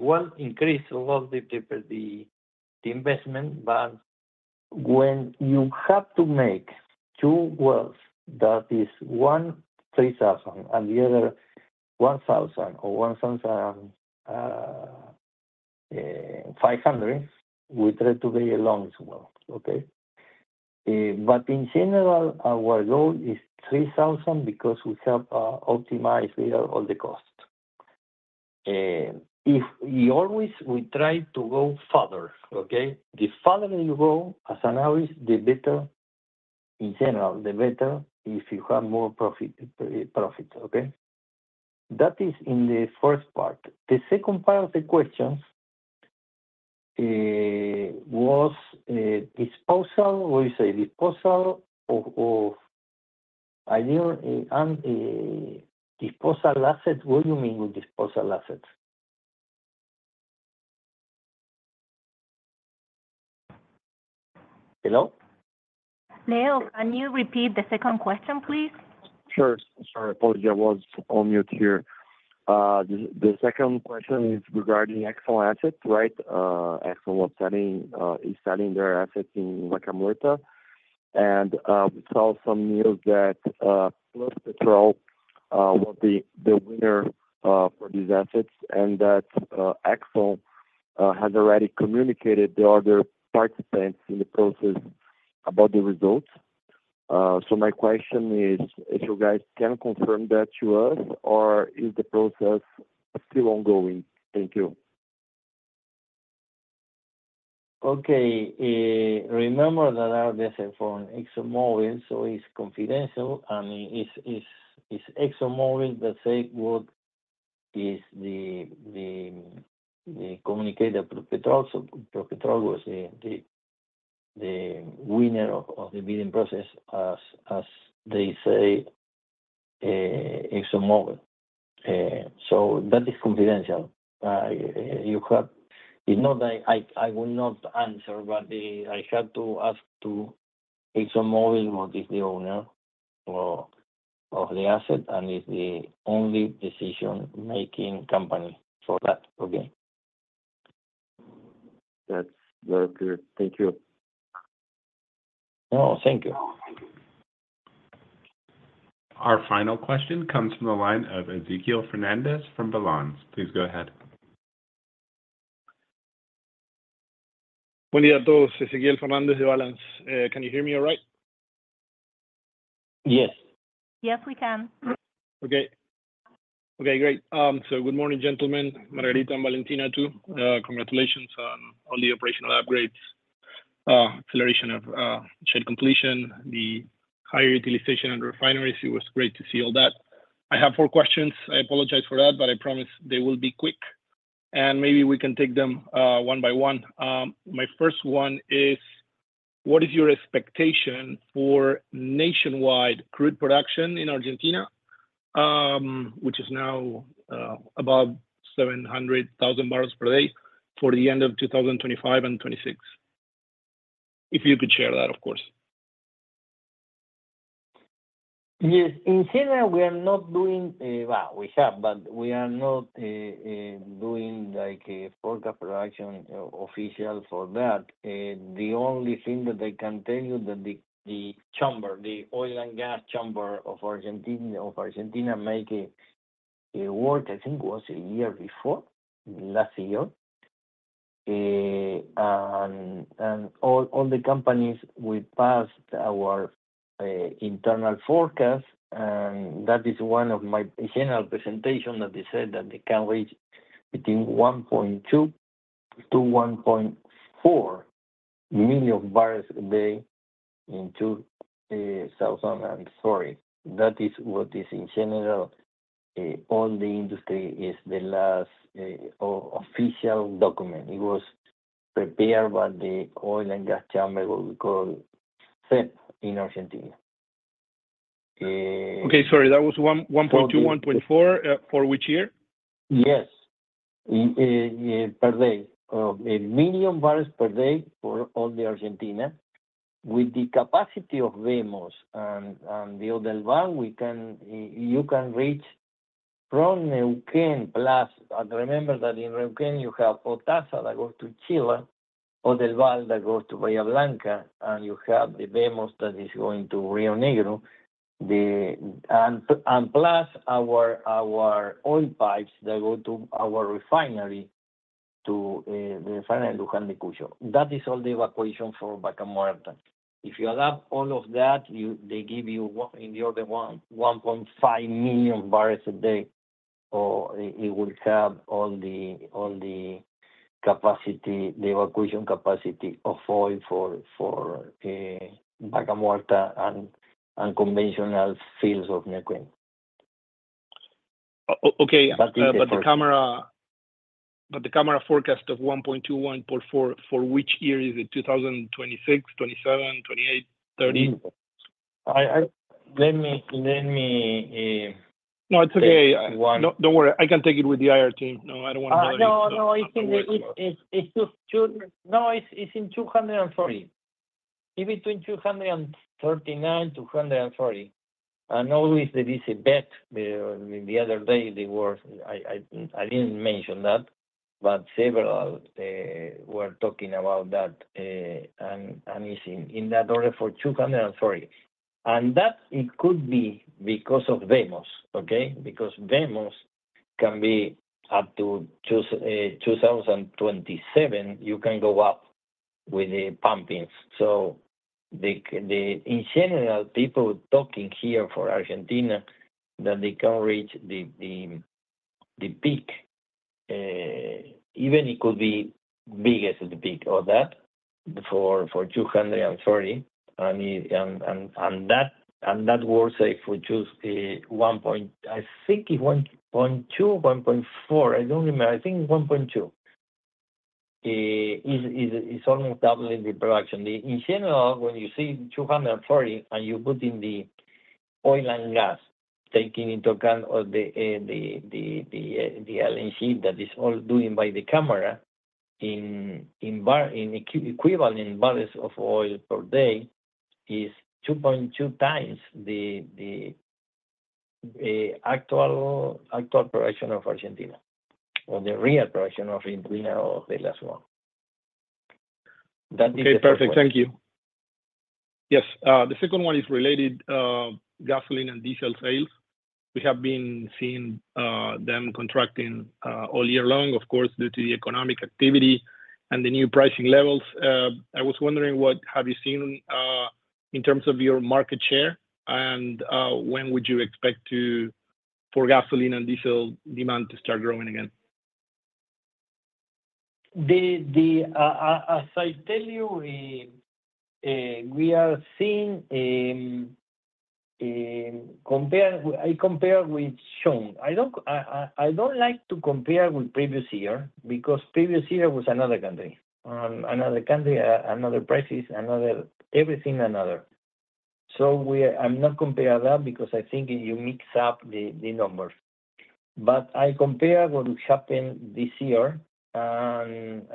well increase a lot the investment, but when you have to make two wells that is one 3,000 and the other 1,000 or 1,500, we try to be a longest one, okay? But in general, our goal is 3,000 because we have optimized all the cost. We always try to go farther, okay? The farther you go, as an average, the better in general, the better if you have more profit, okay? That is in the first part. The second part of the question was disposal, what do you say? Disposal of disposal assets. What do you mean with disposal assets? Hello? Leo, can you repeat the second question, please? Sure. Sorry, apologies. I was on mute here. The second question is regarding Exxon assets, right? Exxon is selling their assets in Vaca Muerta, and we saw some news that Pluspetrol was the winner for these assets and that Exxon has already communicated to other participants in the process about the results, so my question is, if you guys can confirm that to us, or is the process still ongoing? Thank you. Okay. Remember that I have this information. ExxonMobil is confidential, and it's ExxonMobil that said what is the communicated to Pluspetrol. So Pluspetrol was the winner of the bidding process as they say, ExxonMobil. So that is confidential. It's not that I will not answer, but I have to ask to ExxonMobil what is the owner of the asset and is the only decision-making company for that, okay? That's very clear. Thank you. No, thank you. Our final question comes from the line of Ezequiel Fernández from Balanz. Please go ahead. Buen día, a todos. Ezequiel Fernández de Balanz. Can you hear me all right? Yes. Yes, we can. Okay. Okay, great. So good morning, gentlemen, Margarita and Valentina too. Congratulations on all the operational upgrades, acceleration of shale completion, the higher utilization of refineries. It was great to see all that. I have four questions. I apologize for that, but I promise they will be quick, and maybe we can take them one by one. My first one is, what is your expectation for nationwide crude production in Argentina, which is now about 700,000 barrels per day for the end of 2025 and 2026? If you could share that, of course. In general, we are not doing well, we have, but we are not doing a forecast production official for that. The only thing that I can tell you is that the chamber, the oil and gas chamber of Argentina make it work, I think it was a year before, last year. And all the companies will pass our internal forecast, and that is one of my general presentations that they said that they can reach between 1.2 to 1.4 million barrels a day in 2025, sorry. That is what is in general. All the industry is the last official document. It was prepared by the oil and gas chamber what we call [inaudible] in Argentina. Okay, sorry. That was 1.2, 1.4 for which year? Yes. Per day. 1 million barrels per day for all of Argentina. With the capacity of VMOS and Oldelval, you can reach from Neuquén plus, and remember that in Neuquén, you have OTASA that goes to Chile, Oldelval that goes to Bahía Blanca, and you have the VMOS that is going to Río Negro, and plus our oil pipes that go to our refinery, to the refinery in Luján de Cuyo. That is all the evacuation for Vaca Muerta. If you add up all of that, they give you in the order of 1.5 million barrels a day, or it will have all the capacity, the evacuation capacity of oil for Vaca Muerta and conventional fields of Neuquén. Okay, but the CapEx forecast of 1.2, 1.4 for which year is it? 2026, 2027, 2028, 2030? Let me. No, it's okay. Don't worry. I can take it with the IR team. No, I don't want to bother you. No, no, no. It's in 200. No, it's in 240. It's between [239], [240]. I know there is a bet the other day they were. I didn't mention that, but several were talking about that, and it's in that order for 240. And that it could be because of VMOS, okay? Because VMOS can be up to 2027, you can go up with the pumpings. So in general, people talking here for Argentina that they can reach the peak, even it could be big as the peak or that for 230. And that will say for 1. I think it's 1.2, 1.4. I don't remember. I think 1.2 is almost doubling the production. In general, when you see 240 and you put in the oil and gas taking into account the LNG that is all doing by the company in equivalent barrels of oil per day is 2.2 times the actual production of Argentina or the real production of Argentina or the last one. That is the second. Okay, perfect. Thank you. Yes. The second one is related to gasoline and diesel sales. We have been seeing them contracting all year long, of course, due to the economic activity and the new pricing levels. I was wondering, what have you seen in terms of your market share, and when would you expect for gasoline and diesel demand to start growing again? As I tell you, we are seeing. I compare with June. I don't like to compare with previous year because previous year was another country, another country, other prices, everything another. So I'm not comparing that because I think you mix up the numbers. But I compare what happened this year. And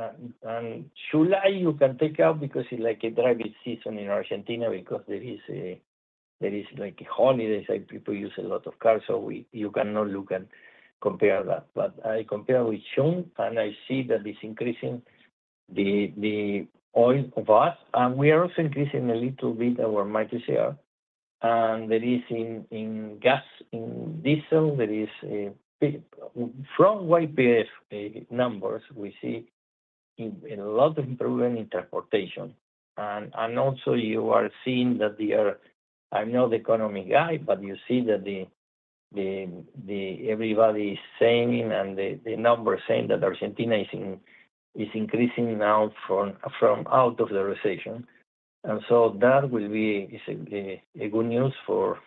July, you can take out because it's like a driving season in Argentina because there is like a holidays, and people use a lot of cars, so you cannot look and compare that. But I compare with June, and I see that it's increasing the oil cost. And we are also increasing a little bit our market share. And there is in gas, in diesel, there is from YPF numbers, we see a lot of improvement in transportation. And also, you are seeing that they are. I'm not the economic guy, but you see that everybody is saying and the numbers saying that Argentina is increasing now from out of the recession. That will be good news for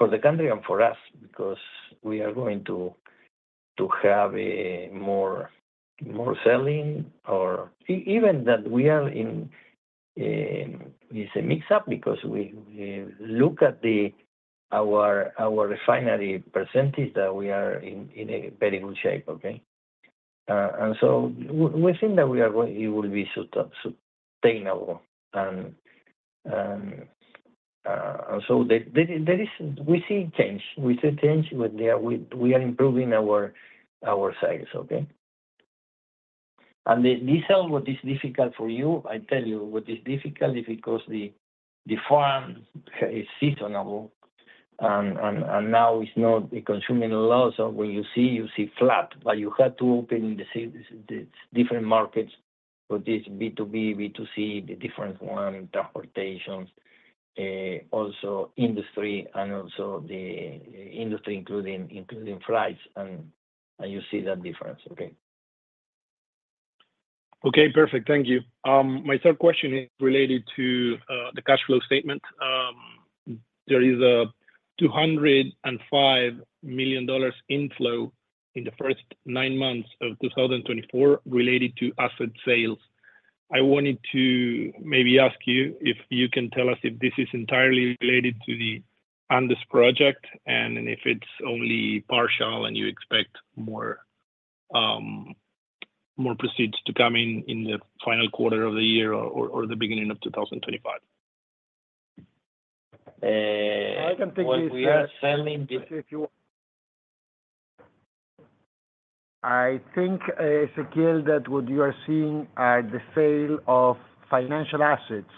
the country and for us because we are going to have more selling or even that we are in. It's a mix-up because we look at our refinery percentage that we are in a very good shape, okay? We think that it will be sustainable. We see change. We see change when we are improving our sales, okay? The diesel, what is difficult for you, I tell you, what is difficult is because the farm is seasonal, and now it's not consuming a lot. So when you see, you see flat, but you have to open the different markets for this B2B, B2C, the different one, transportation, also industry, and also the industry including flights, and you see that difference, okay? Okay, perfect. Thank you. My third question is related to the cash flow statement. There is a $205 million inflow in the first nine months of 2024 related to asset sales. I wanted to maybe ask you if you can tell us if this is entirely related to the Andes Project and if it's only partial and you expect more proceeds to come in the final quarter of the year or the beginning of 2025. I can take this as selling if you want. I think, Ezequiel, that what you are seeing are the sale of financial assets.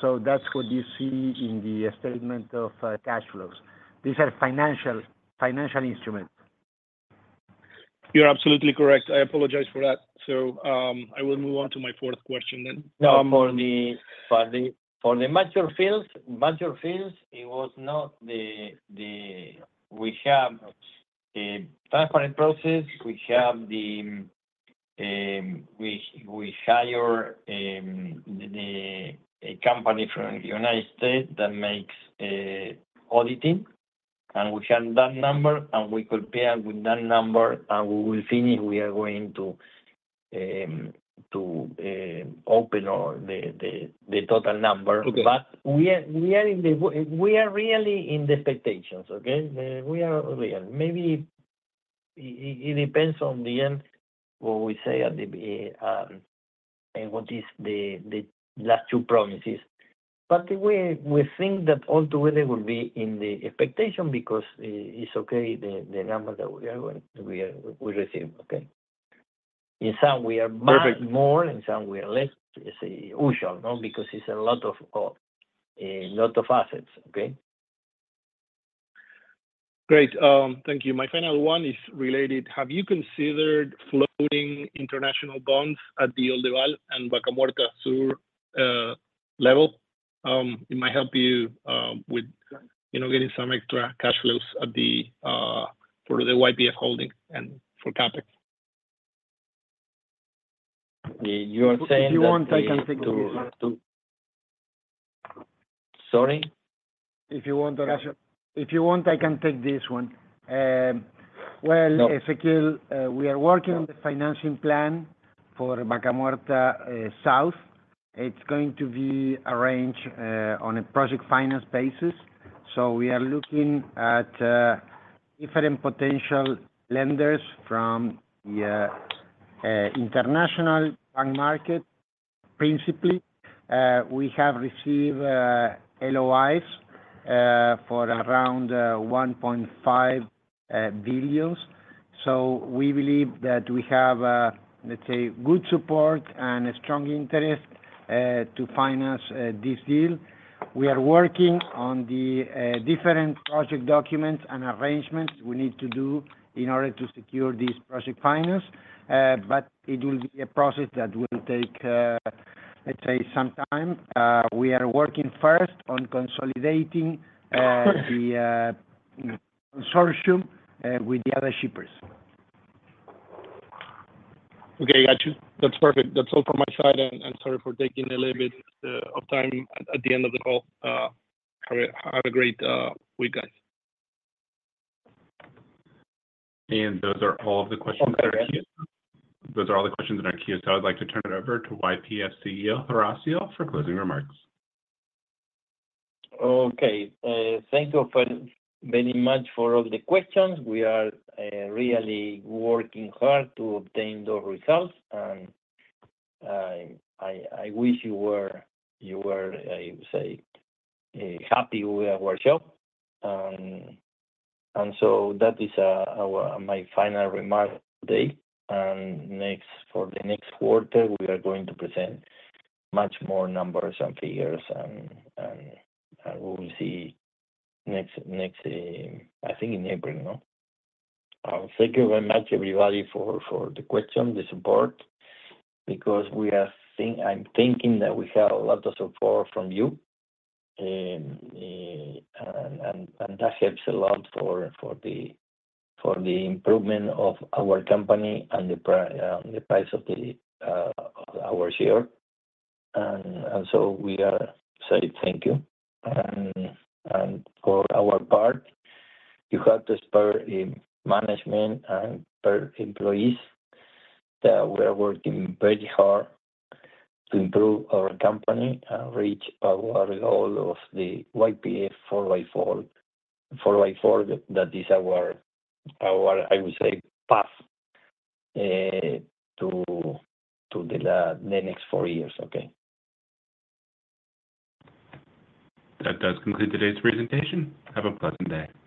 So that's what you see in the statement of cash flows. These are financial instruments. You're absolutely correct. I apologize for that. So I will move on to my fourth question then. For the major fields, it was not. We have a transparent process. We hire a company from the United States that makes auditing, and we have that number, and we compare with that number, and we will finish. We are going to open the total number. But we are really in the expectations, okay? We are real. Maybe it depends on the end what we say and what is the last two promises. But we think that altogether it will be in the expectation because it's okay the number that we receive, okay? In some, we are much. Perfect. More. In some, we are less. It's usual because it's a lot of assets, okay? Great. Thank you. My final one is related. Have you considered floating international bonds at the Oldelval and Vaca Muerta level? It might help you with getting some extra cash flows for the YPF holding and for CapEx. If you want, I can take this one. Sorry? If you want, I can take this one. Well, Ezequiel, we are working on the financing plan for Vaca Muerta Sur. It's going to be arranged on a project finance basis. So we are looking at different potential lenders from the international bank market. Principally, we have received LOIs for around $1.5 billion. So we believe that we have, let's say, good support and strong interest to finance this deal. We are working on the different project documents and arrangements we need to do in order to secure this project finance, but it will be a process that will take, let's say, some time. We are working first on consolidating the consortium with the other shippers. Okay, got you. That's perfect. That's all from my side. And sorry for taking a little bit of time at the end of the call. Have a great week, guys. Those are all of the questions that are queue. Those are all the questions that are queue. So I'd like to turn it over to YPF CEO, Horacio, for closing remarks. Okay. Thank you very much for all the questions. We are really working hard to obtain those results, and I wish you were, I would say, happy with our show, and so that is my final remark today, and for the next quarter, we are going to present much more numbers and figures, and we will see you next, I think, in April. Thank you very much, everybody, for the questions, the support, because I'm thinking that we have a lot of support from you, and that helps a lot for the improvement of our company and the price of our share, and so we are saying thank you, and for our part, our entire management and employees are working very hard to improve our company and reach our goal of the YPF 4x4. That is our, I would say, path to the next four years, okay? That does conclude today's presentation. Have a pleasant day.